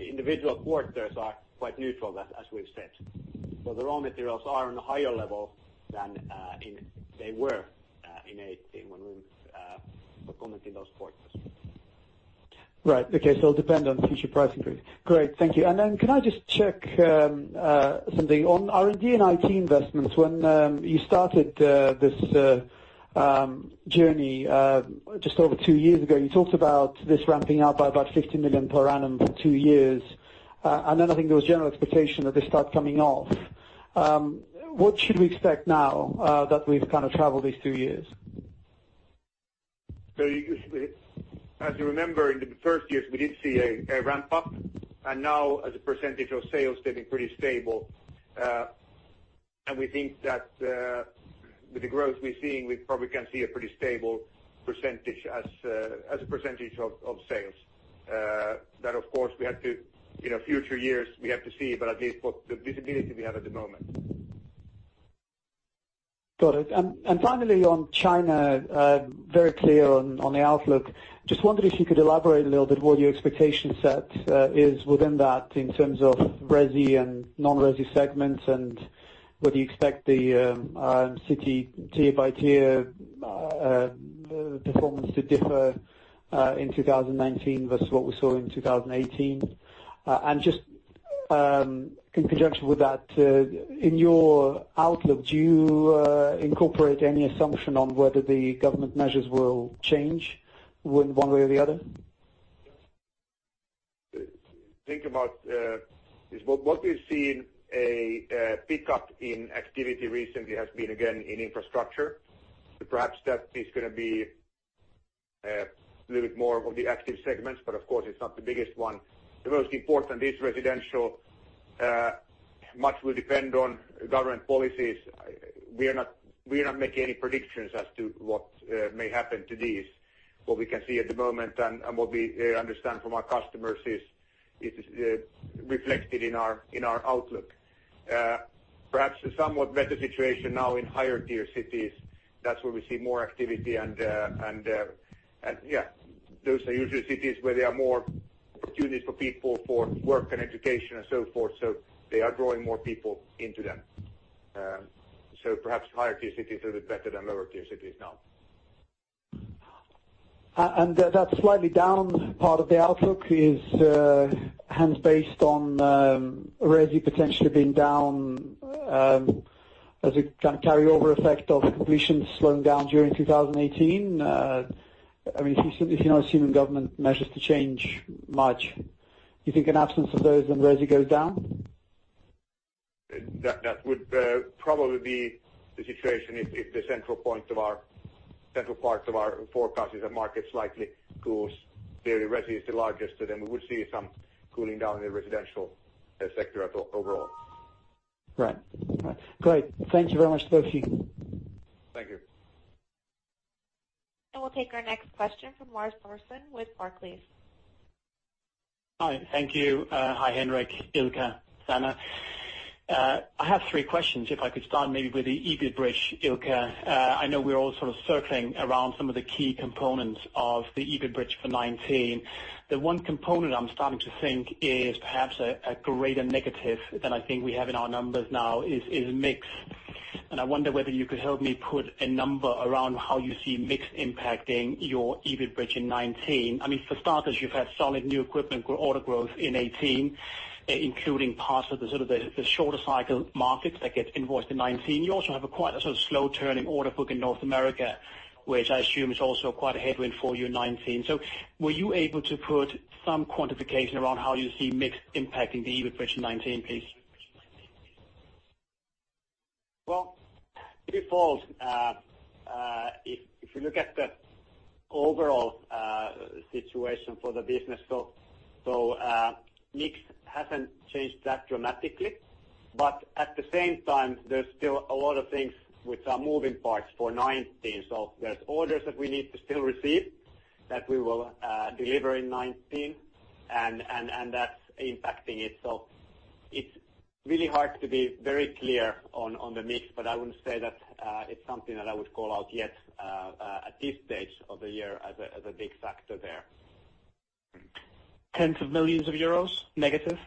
individual quarters are quite neutral as we've said. The raw materials are on a higher level than they were in 2018 when we were commenting those quarters. Right. Okay. It'll depend on future price increase. Great. Thank you. Can I just check something. On R&D and IT investments, when you started this journey just over two years ago, you talked about this ramping up by about 50 million per annum for two years. I think there was general expectation that they start coming off. What should we expect now that we've kind of traveled these two years? As you remember, in the first years, we did see a ramp-up, and now as a percentage of sales, they've been pretty stable. We think that with the growth we're seeing, we probably can see a pretty stable percentage as a percentage of sales. That of course, in future years, we have to see, but at least what the visibility we have at the moment. Got it. And finally on China, very clear on the outlook. Just wondered if you could elaborate a little bit what your expectation set is within that in terms of resi and non-resi segments and whether you expect the city tier by tier performance to differ in 2019 versus what we saw in 2018. Just in conjunction with that, in your outlook, do you incorporate any assumption on whether the government measures will change one way or the other? Think about what we've seen a pickup in activity recently has been again in infrastructure. Perhaps that is going to be a little bit more of the active segments, but of course it's not the biggest one. The most important is residential. Much will depend on government policies. We are not making any predictions as to what may happen to these. What we can see at the moment and what we understand from our customers is reflected in our outlook. Perhaps a somewhat better situation now in higher tier cities. That's where we see more activity and those are usually cities where there are more opportunities for people for work and education and so forth. They are drawing more people into them. Perhaps higher tier cities a little bit better than lower tier cities now. That slightly down part of the outlook is hence based on resi potentially being down as a carryover effect of completions slowing down during 2018. If you're not assuming government measures to change much, you think in absence of those then resi goes down? That would probably be the situation if the central parts of our forecast is that market slightly cools. Clearly resi is the largest, so then we would see some cooling down in the residential sector overall. Right. Great. Thank you very much, both of you. Thank you. We'll take our next question from Lars Brorson with Barclays. Hi. Thank you. Hi Henrik, Ilkka, Sanna. I have three questions. I could start maybe with the EBIT bridge, Ilkka. I know we're all sort of circling around some of the key components of the EBIT bridge for 2019. The one component I'm starting to think is perhaps a greater negative than I think we have in our numbers now is mix. I wonder whether you could help me put a number around how you see mix impacting your EBIT bridge in 2019. For starters, you've had solid new equipment order growth in 2018, including parts of the sort of the shorter cycle markets that get invoiced in 2019. You also have a quite a sort of slow turning order book in North America, which I assume is also quite a headwind for you in 2019. So, were you able to put some quantification around how you see mix impacting the EBIT bridge in 2019, please? Well, default, if you look at the overall situation for the business, mix hasn't changed that dramatically. But at the same time, there's still a lot of things which are moving parts for 2019. There's orders that we need to still receive that we will deliver in 2019, and that's impacting it. It's really hard to be very clear on the mix, but I wouldn't say that it's something that I would call out yet at this stage of the year as a big factor there. Tens of millions of EUR negative?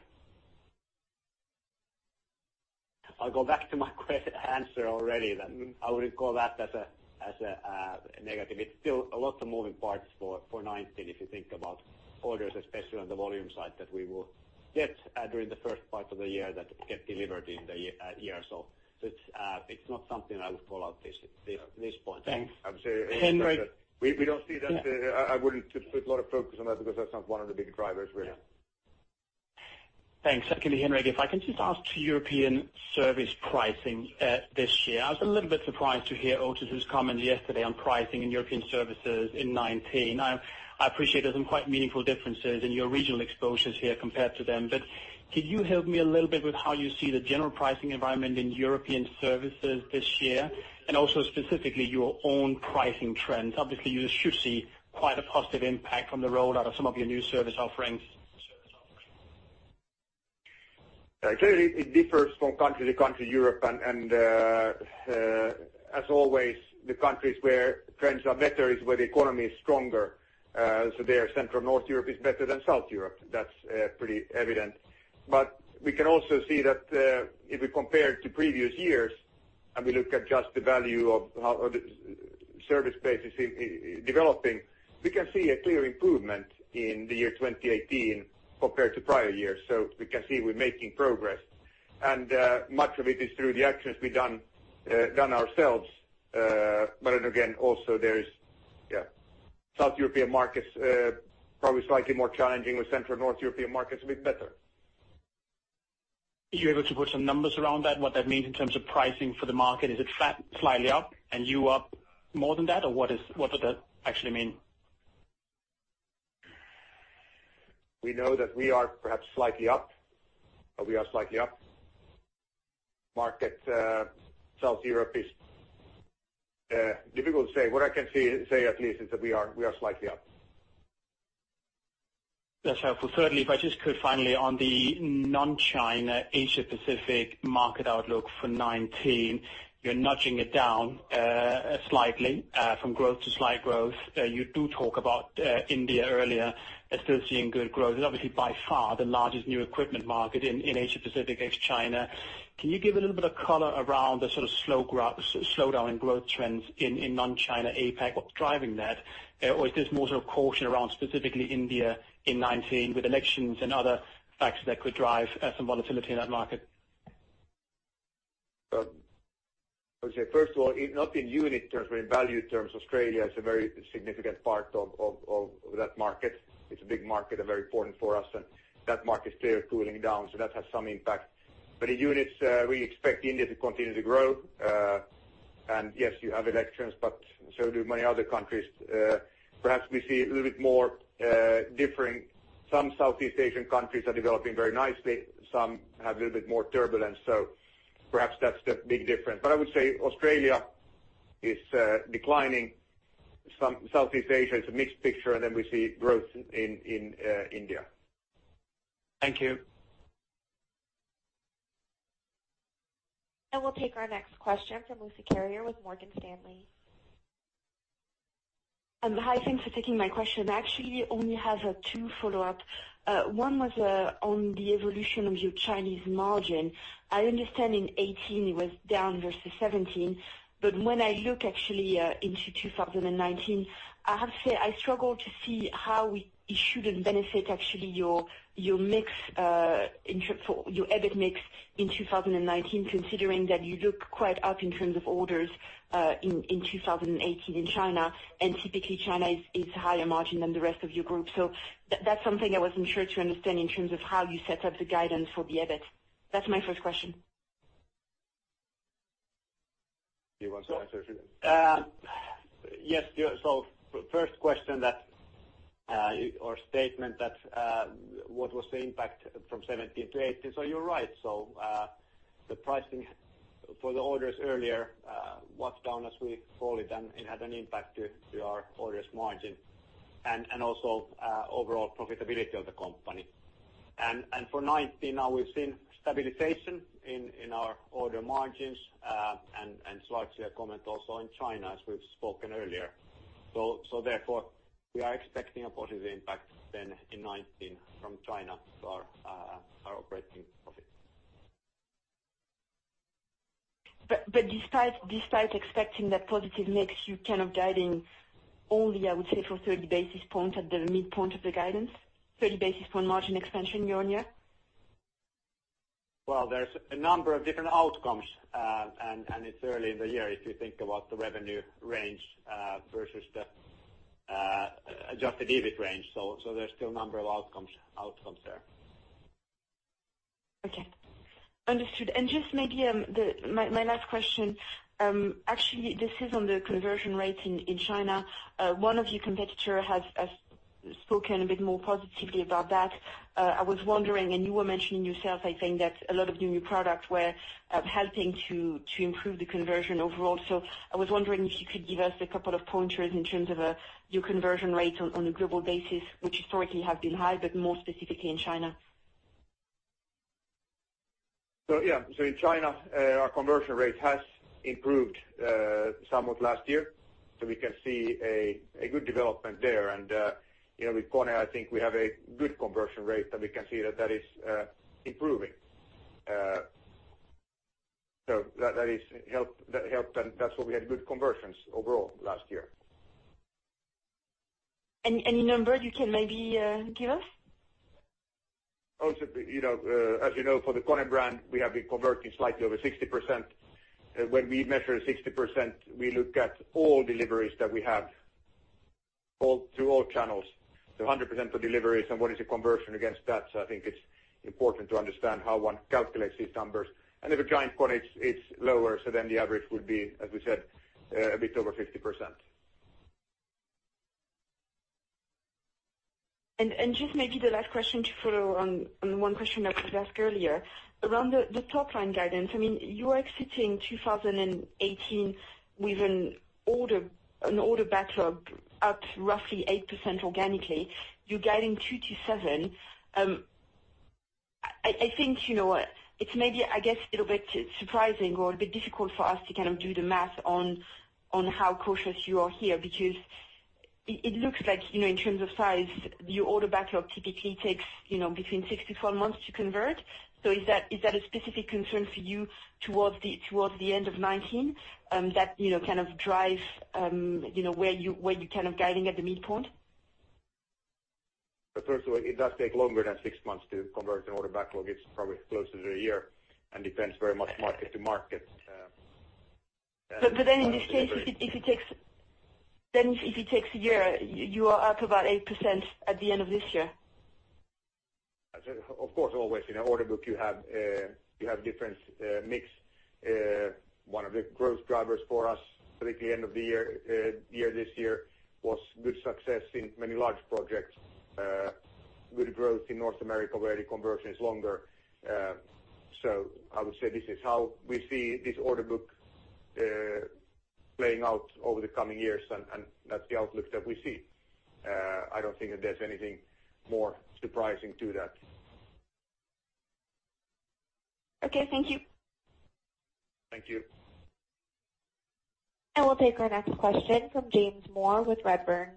I'll go back to my answer already that I wouldn't call that as a negative. It's still a lot of moving parts for 2019 if you think about orders especially on the volume side that we will during the first part of the year that get delivered in the year. It's not something I would call out at this point. Thanks. I would say- Henrik? We don't see that. I wouldn't put a lot of focus on that because that's not one of the big drivers, really. Thanks. Actually, Henrik, if I can just ask to European service pricing this year. I was a little bit surprised to hear Otis's comments yesterday on pricing in European services in 2019. I appreciate there's some quite meaningful differences in your regional exposures here compared to them, could you help me a little bit with how you see the general pricing environment in European services this year, and also specifically your own pricing trends? Obviously, you should see quite a positive impact from the rollout of some of your new service offerings. Clearly, it differs from country to country, Europe, and as always, the countries where trends are better is where the economy is stronger. There, central North Europe is better than South Europe. That's pretty evident. But we can also see that if we compare to previous years and we look at just the value of how the service base is developing, we can see a clear improvement in the year 2018 compared to prior years. We can see we're making progress, and much of it is through the actions we've done ourselves. Again, also there is South European markets probably slightly more challenging, with central North European markets a bit better. Are you able to put some numbers around that, what that means in terms of pricing for the market? Is it flat, slightly up, and you up more than that, or what does that actually mean? We know that we are perhaps slightly up, or we are slightly up. Market, South Europe is difficult to say. What I can say at least is that we are slightly up. That's helpful. Thirdly, if I just could finally on the non-China Asia Pacific market outlook for 2019. You're nudging it down slightly from growth to slight growth. You do talk about India earlier, still seeing good growth, and obviously by far the largest new equipment market in Asia Pacific ex-China. Can you give a little bit of color around the sort of slowdown in growth trends in non-China APAC, what's driving that? Or is this more sort of caution around specifically India in 2019 with elections and other factors that could drive some volatility in that market? Okay, first of all, not in unit terms, but in value terms, Australia is a very significant part of that market. It's a big market and very important for us, and that market is clearly cooling down, so that has some impact. In units, we expect India to continue to grow. Yes, you have elections, but so do many other countries. Perhaps we see a little bit more differing. Some Southeast Asian countries are developing very nicely. Some have a little bit more turbulence. Perhaps that's the big difference. I would say Australia is declining. Southeast Asia is a mixed picture. We see growth in India. Thank you. And we'll take our next question from Lucie Carrier with Morgan Stanley. Hi, thanks for taking my question. I actually only have two follow-up. One was on the evolution of your Chinese margin. I understand in 2018 it was down versus 2017. When I look actually into 2019, I have to say, I struggle to see how it shouldn't benefit actually your EBIT mix in 2019, considering that you look quite up in terms of orders in 2018 in China, and typically China is higher margin than the rest of your group. That's something I wasn't sure to understand in terms of how you set up the guidance for the EBIT. That's my first question. Do you want to answer? Yeah, First question or statement, that, what was the impact from 2017 to 2018? You're right. The pricing for the orders earlier was down as we called it, and it had an impact to our orders margin and also overall profitability of the company. And for 2019, now we've seen stabilization in our order margins, and slightly a comment also in China, as we've spoken earlier. So therefore, we are expecting a positive impact then in 2019 from China to our operating profit. Despite expecting that positive mix, you're kind of guiding only, I would say, for 30 basis points at the midpoint of the guidance, 30 basis point margin expansion year-over-year? Well, there's a number of different outcomes, and it's early in the year if you think about the revenue range versus the adjusted EBIT range. There's still a number of outcomes there. Okay. Understood. Just maybe my last question. Actually, this is on the conversion rate in China. One of your competitors has spoken a bit more positively about that. I was wondering, you were mentioning yourself, I think, that a lot of new products were helping to improve the conversion overall. I was wondering if you could give us a couple of pointers in terms of your conversion rate on a global basis, which historically have been high, but more specifically in China. Yeah. In China, our conversion rate has improved somewhat last year. We can see a good development there. With KONE, I think we have a good conversion rate that we can see that that is improving. That helped, and that's why we had good conversions overall last year. Any number you can maybe give us? As you know, for the KONE brand, we have been converting slightly over 60%. When we measure 60%, we look at all deliveries that we have through all channels. 100% for deliveries and what is the conversion against that. I think it's important to understand how one calculates these numbers. If you're trying KONE, it's lower, then the average would be, as we said, a bit over 50%. And just maybe the last question to follow on one question that was asked earlier. Around the top-line guidance, you are exiting 2018 with an order backlog up roughly 8% organically. You're guiding 2% to 7%. I think it's maybe, I guess, a little bit surprising or a bit difficult for us to do the math on how cautious you are here, because it looks like, in terms of size, your order backlog typically takes between six to 12 months to convert. Is that a specific concern for you towards the end of 2019, that kind of drive where you're kind of guiding at the midpoint? First of all, it does take longer than six months to convert an order backlog. It is probably closer to a year and depends very much market to market. For today, in this case, if it takes a year, you are up about 8% at the end of this year. Of course, always in an order book, you have different mix. One of the growth drivers for us at the end of the year this year was good success in many large projects. Good growth in North America where the conversion is longer. I would say this is how we see this order book playing out over the coming years and that is the outlook that we see. I do not think that there is anything more surprising to that. Okay. Thank you. Thank you. We'll take our next question from James Moore with Redburn.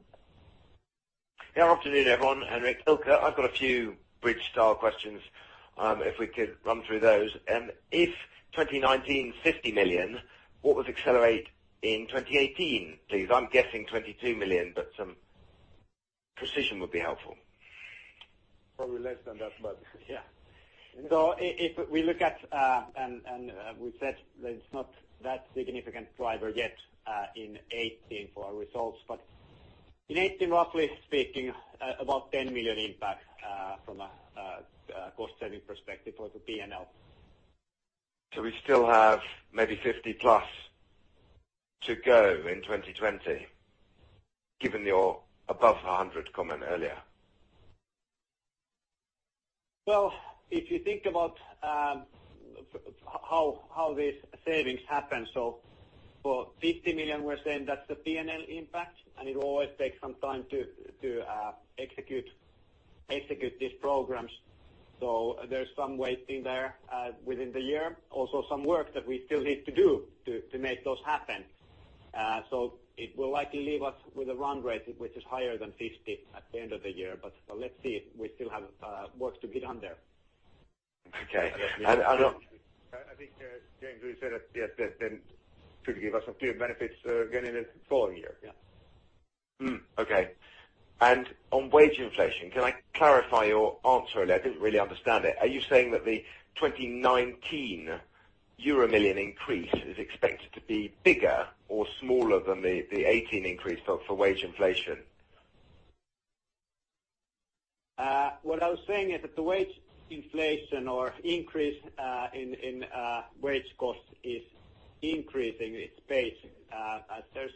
Yeah, afternoon everyone. Henrik, Ilkka, I've got a few bridge style questions, if we could run through those. If 2019 50 million, what was Accelerate in 2018, please? I'm guessing 22 million, but some precision would be helpful. Probably less than that, yeah. If we look at, we've said that it's not that significant driver yet in 2018 for our results. In 2018, roughly speaking, about 10 million impact from a cost-saving perspective or the P&L. We still have maybe 50 plus to go in 2020, given your above 100 comment earlier. If you think about how these savings happen. For 50 million, we're saying that's the P&L impact and it will always take some time to execute these programs. There's some waiting there within the year. Also some work that we still need to do to make those happen. So it will likely leave us with a run rate which is higher than 50 at the end of the year. Let's see. We still have work to be done there. Okay. I think, James, we said that, yes, that should give us a few benefits again in the following year. Yeah. Okay. On wage inflation, can I clarify your answer a little? I didn't really understand it. Are you saying that the 2019 million increase is expected to be bigger or smaller than the 2018 increase for wage inflation? What I was saying is that the wage inflation or increase in wage cost is increasing its pace as there's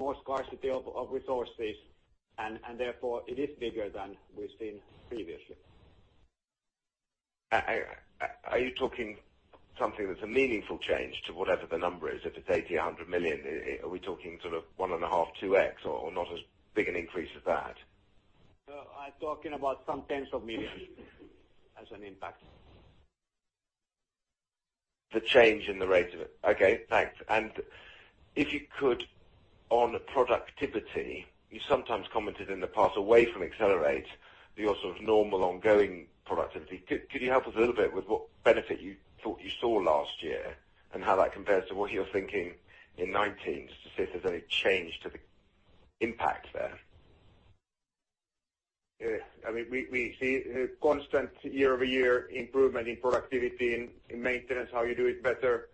more scarcity of resources and therefore it is bigger than we've seen previously. Are you talking something that's a meaningful change to whatever the number is? If it's 80 million or 100 million, are we talking sort of 1.5x, 2x or not as big an increase as that? No, I'm talking about some tens of millions as an impact. The change in the rate of it. Okay, thanks. If you could, on productivity, you sometimes commented in the past away from Accelerate, your sort of normal ongoing productivity. Could you help us a little bit with what benefit you thought you saw last year and how that compares to what you're thinking in 2019 to see if there's any change to the impact there? We see constant year-over-year improvement in productivity, in maintenance, how you do it better.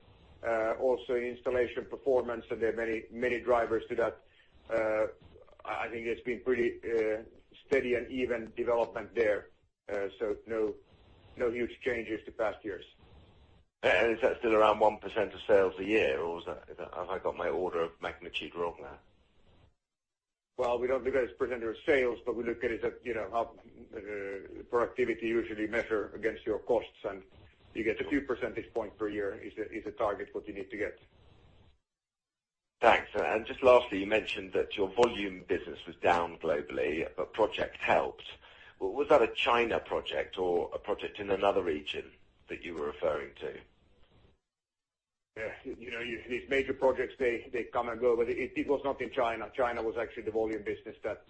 Also in installation performance and there are many drivers to that. I think it's been pretty steady and even development there. No huge changes to past years. Is that still around 1% of sales a year or have I got my order of magnitude wrong now? Well, we don't look at it as percentage of sales, but we look at it at how productivity usually measure against your costs and you get a few percentage point per year is a target what you need to get. Thanks. Just lastly, you mentioned that your volume business was down globally, but project helped. Was that a China project or a project in another region that you were referring to? These major projects, they come and go, but it was not in China. China was actually the volume business that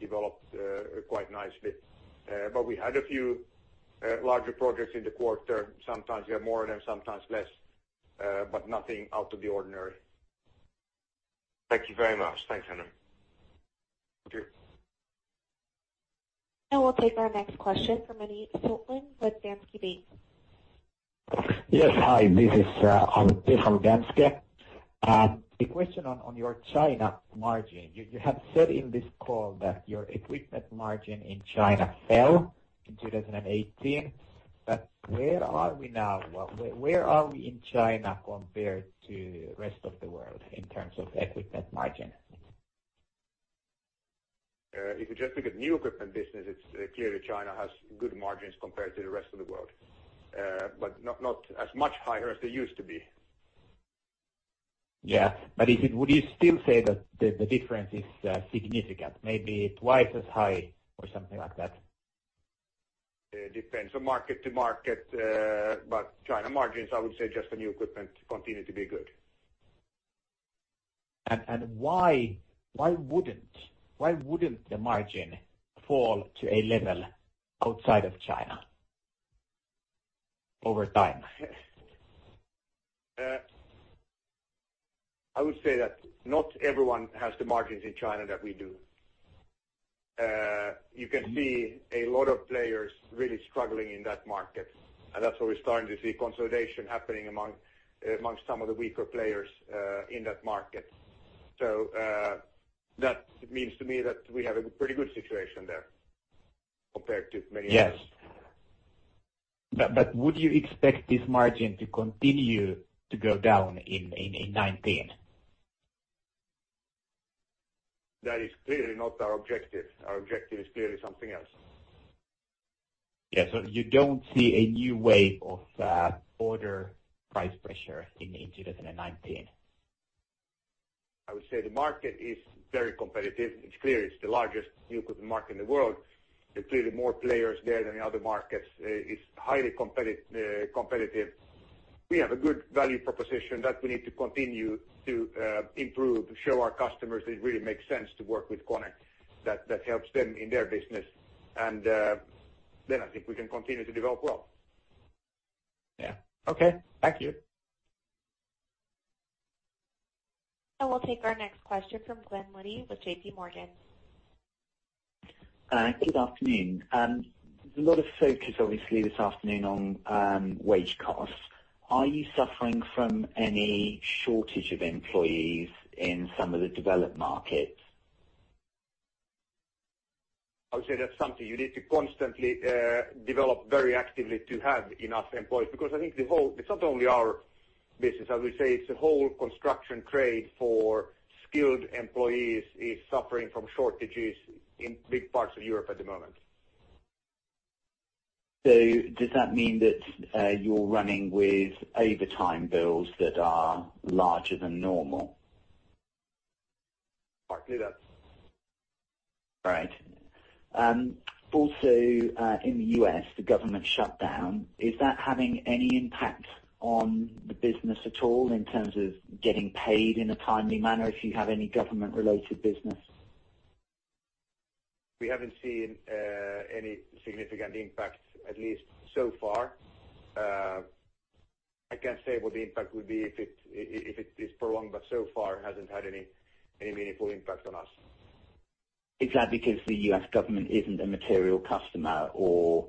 developed quite nicely. We had a few larger projects in the quarter. Sometimes we have more of them, sometimes less. Nothing out of the ordinary. Thank you very much. Thanks, Henrik. Thank you. We'll take our next question from Antti Siltanen with Inderes. Yes. Hi, this is Antti from Inderes. A question on your China margin. You have said in this call that your equipment margin in China fell in 2018. Where are we now? Where are we in China compared to rest of the world in terms of equipment margin? If you just look at new equipment business, it's clear that China has good margins compared to the rest of the world. Not as much higher as they used to be. Yeah. Would you still say that the difference is significant, maybe twice as high or something like that? It depends on market to market. China margins, I would say just the new equipment continue to be good. Why wouldn't the margin fall to a level outside of China over time? I would say that not everyone has the margins in China that we do. You can see a lot of players really struggling in that market, and that's why we're starting to see consolidation happening amongst some of the weaker players in that market. So that means to me that we have a pretty good situation there compared to many others. Yes. Would you expect this margin to continue to go down in 2019? That is clearly not our objective. Our objective is clearly something else. Yeah. You don't see a new wave of order price pressure in 2019? I would say the market is very competitive. It's clear it's the largest new equipment market in the world. There are clearly more players there than the other markets. It's highly competitive. We have a good value proposition that we need to continue to improve, to show our customers it really makes sense to work with KONE, that helps them in their business. And I think we can continue to develop well. Yeah. Okay. Thank you. And we'll take our next question from Glenn Liddy with JP Morgan. Good afternoon. There's a lot of focus, obviously, this afternoon on wage costs. Are you suffering from any shortage of employees in some of the developed markets? I would say that's something you need to constantly develop very actively to have enough employees, because I think it's not only our business. I would say it's the whole construction trade for skilled employees is suffering from shortages in big parts of Europe at the moment. Does that mean that you're running with overtime bills that are larger than normal? Partly, that's All right. In the U.S., the government shutdown. Is that having any impact on the business at all in terms of getting paid in a timely manner if you have any government related business? We haven't seen any significant impact at least so far. I can't say what the impact would be if it is prolonged, but so far it hasn't had any meaningful impact on us. Is that because the U.S. government isn't a material customer or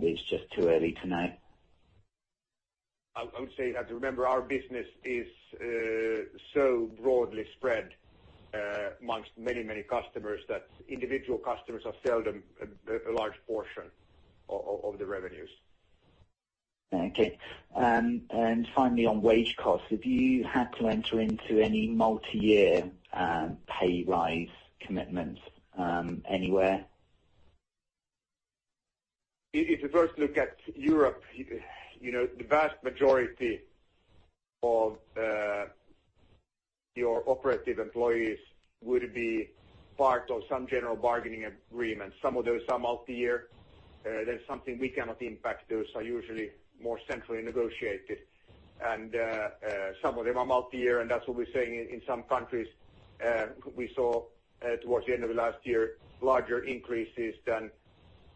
it's just too early to know? I would say you have to remember our business is so broadly spread amongst many customers, that individual customers are seldom a large portion of the revenues. Okay. Finally on wage costs, have you had to enter into any multi-year pay rise commitments anywhere? If you first look at Europe, the vast majority of your operative employees would be part of some general bargaining agreement. Some of those are multi-year. That's something we cannot impact. Those are usually more centrally negotiated. And some of them are multi-year, and that's what we're saying in some countries, we saw towards the end of last year, larger increases than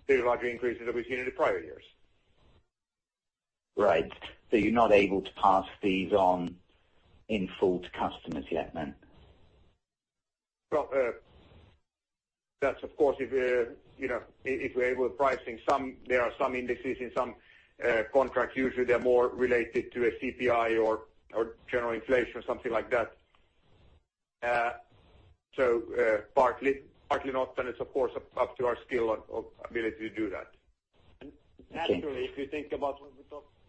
the larger increases that we've seen in the prior years. Right. You're not able to pass these on in full to customers yet then? Well, that's of course if we're able to pricing. There are some indices in some contracts. Usually they're more related to a CPI or general inflation or something like that. So partly not, and it's of course up to our skill or ability to do that. Thank you. Naturally, if you think about when we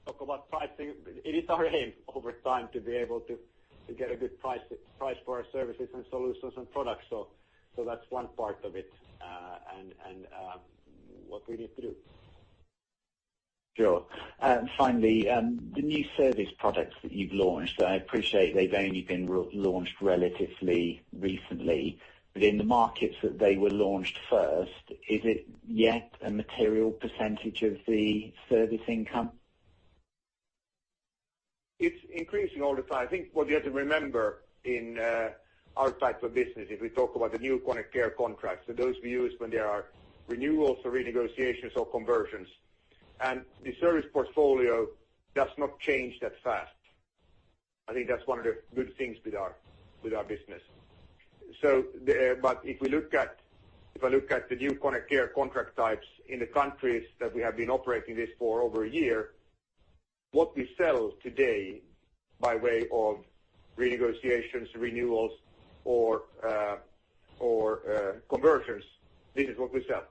talk about pricing, it is our aim over time to be able to get a good price for our services and solutions and products. So that's one part of it, and what do we need to do. Sure. Finally, the new service products that you've launched, I appreciate they've only been launched relatively recently, but in the markets that they were launched first, is it yet a material percentage of the service income? It's increasing all the time. I think what you have to remember in our type of business, if we talk about the new KONE Care contracts. Those we use when there are renewals or renegotiations or conversions. And the service portfolio does not change that fast. I think that's one of the good things with our business. So if I look at the new KONE Care contract types in the countries that we have been operating this for over a year, what we sell today by way of renegotiations, renewals or conversions, this is what we sell.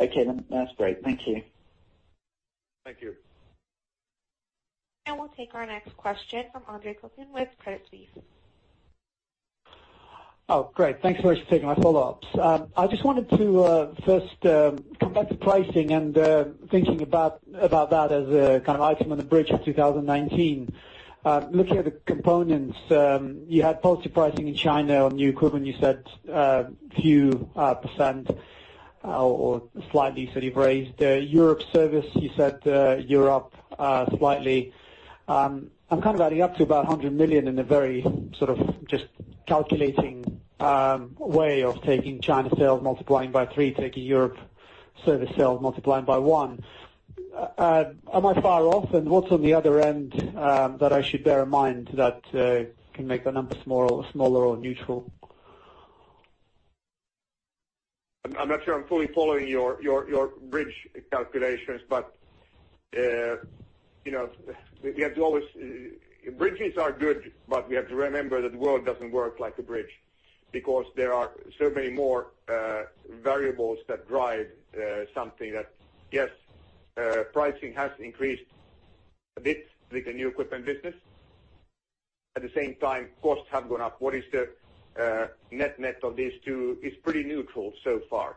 Okay. That's great. Thank you. Thank you. We'll take our next question from Andre Kukhnin with Credit Suisse. Great. Thanks very much for taking my follow-ups. I just wanted to first come back to pricing and thinking about that as a kind of item on the bridge of 2019. Looking at the components, you had positive pricing in China on new equipment. You said a few % or slightly said you've raised Europe service, you said Europe slightly. I'm adding up to about 100 million in a very sort of just calculating way of taking China sales, multiplying by three, taking Europe service sales, multiplying by one. Am I far off? What's on the other end that I should bear in mind that can make the numbers more or smaller or neutral? I'm not sure I'm fully following your bridge calculations, but bridgings are good, but we have to remember that the world doesn't work like a bridge because there are so many more variables that drive something that, yes, pricing has increased a bit with the new equipment business. At the same time, costs have gone up. What is the net-net of these two? It's pretty neutral so far.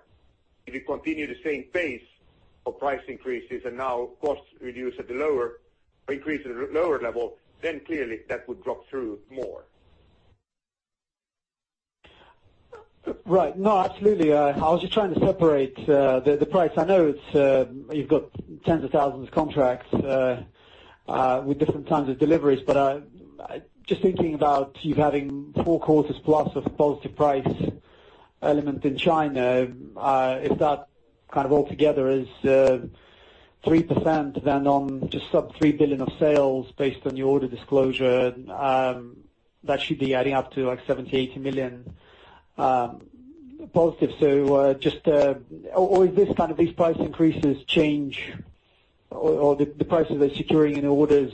If you continue the same pace of price increases and now costs increase at a lower level, clearly that would drop through more. Right. Absolutely. I was just trying to separate the price. I know you've got tens of thousands of contracts with different times of deliveries, but just thinking about you having four quarters plus of positive price element in China, if that kind of altogether is 3%, then on just sub 3 billion of sales, based on your order disclosure, that should be adding up to, like, 70 million to 80 million positive. If these price increases change or the pricing they're securing in orders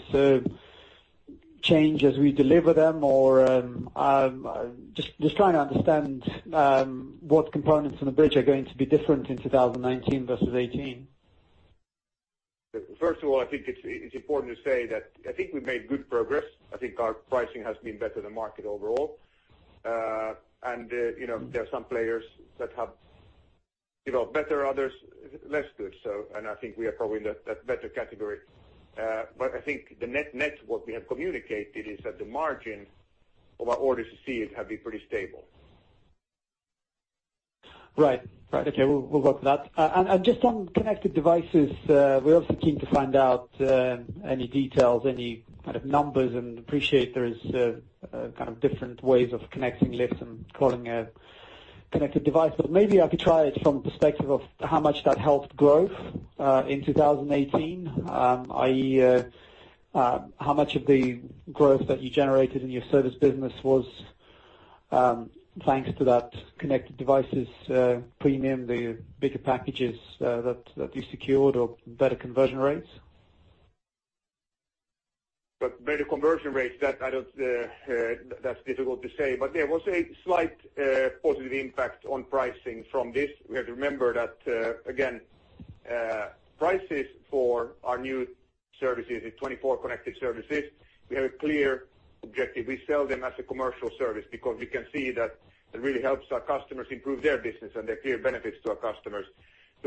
change as we deliver them? Just trying to understand what components on the bridge are going to be different in 2019 versus 2018. First of all, I think it's important to say that I think we've made good progress. I think our pricing has been better than market overall. And you know, there are some players that have developed better, others less good, I think we are probably in that better category. I think the net-net of what we have communicated is that the margin of our orders received have been pretty stable. Right. Okay. We will work with that. Just on connected devices, we are also keen to find out any details, any kind of numbers, and appreciate there is kind of different ways of connecting lifts and calling a connected device. Maybe I could try it from perspective of how much that helped growth in 2018, i.e., how much of the growth that you generated in your service business was thanks to that connected devices premium, the bigger packages that you secured or better conversion rates? Better conversion rates, that is difficult to say. There was a slight positive impact on pricing from this. We have to remember that, again, prices for our new services, the 24/7 Connected Services, we have a clear objective. We sell them as a commercial service because we can see that it really helps our customers improve their business and there are clear benefits to our customers.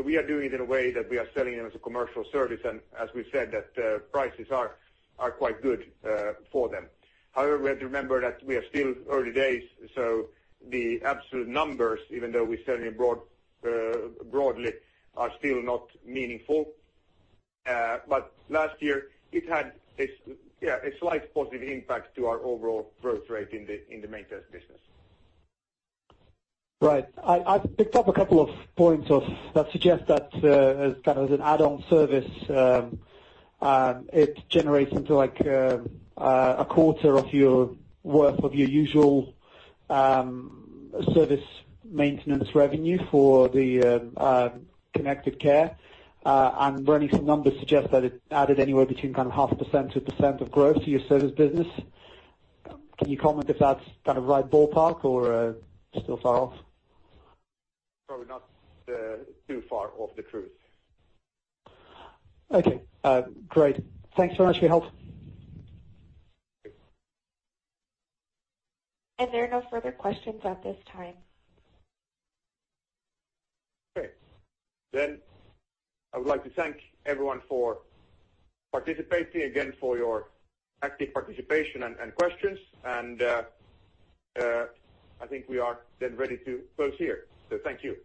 We are doing it in a way that we are selling them as a commercial service, and as we have said that prices are quite good for them. However, we have to remember that we are still early days, so the absolute numbers, even though we sell them broadly, are still not meaningful. But last year it had a slight positive impact to our overall growth rate in the maintenance business. Right. I have picked up a couple of points that suggest that as kind of an add-on service, it generates something like a quarter of your worth of your usual service maintenance revenue for the KONE Care. Running some numbers suggests that it added anywhere between 0.5% to 1% of growth to your service business. Can you comment if that is kind of right ballpark or still far off? Probably not too far off the truth. Okay. Great. Thanks very much for your help. There are no further questions at this time. Okay. Then, I would like to thank everyone for participating, again, for your active participation and questions, and I think we are then ready to close here. Thank you.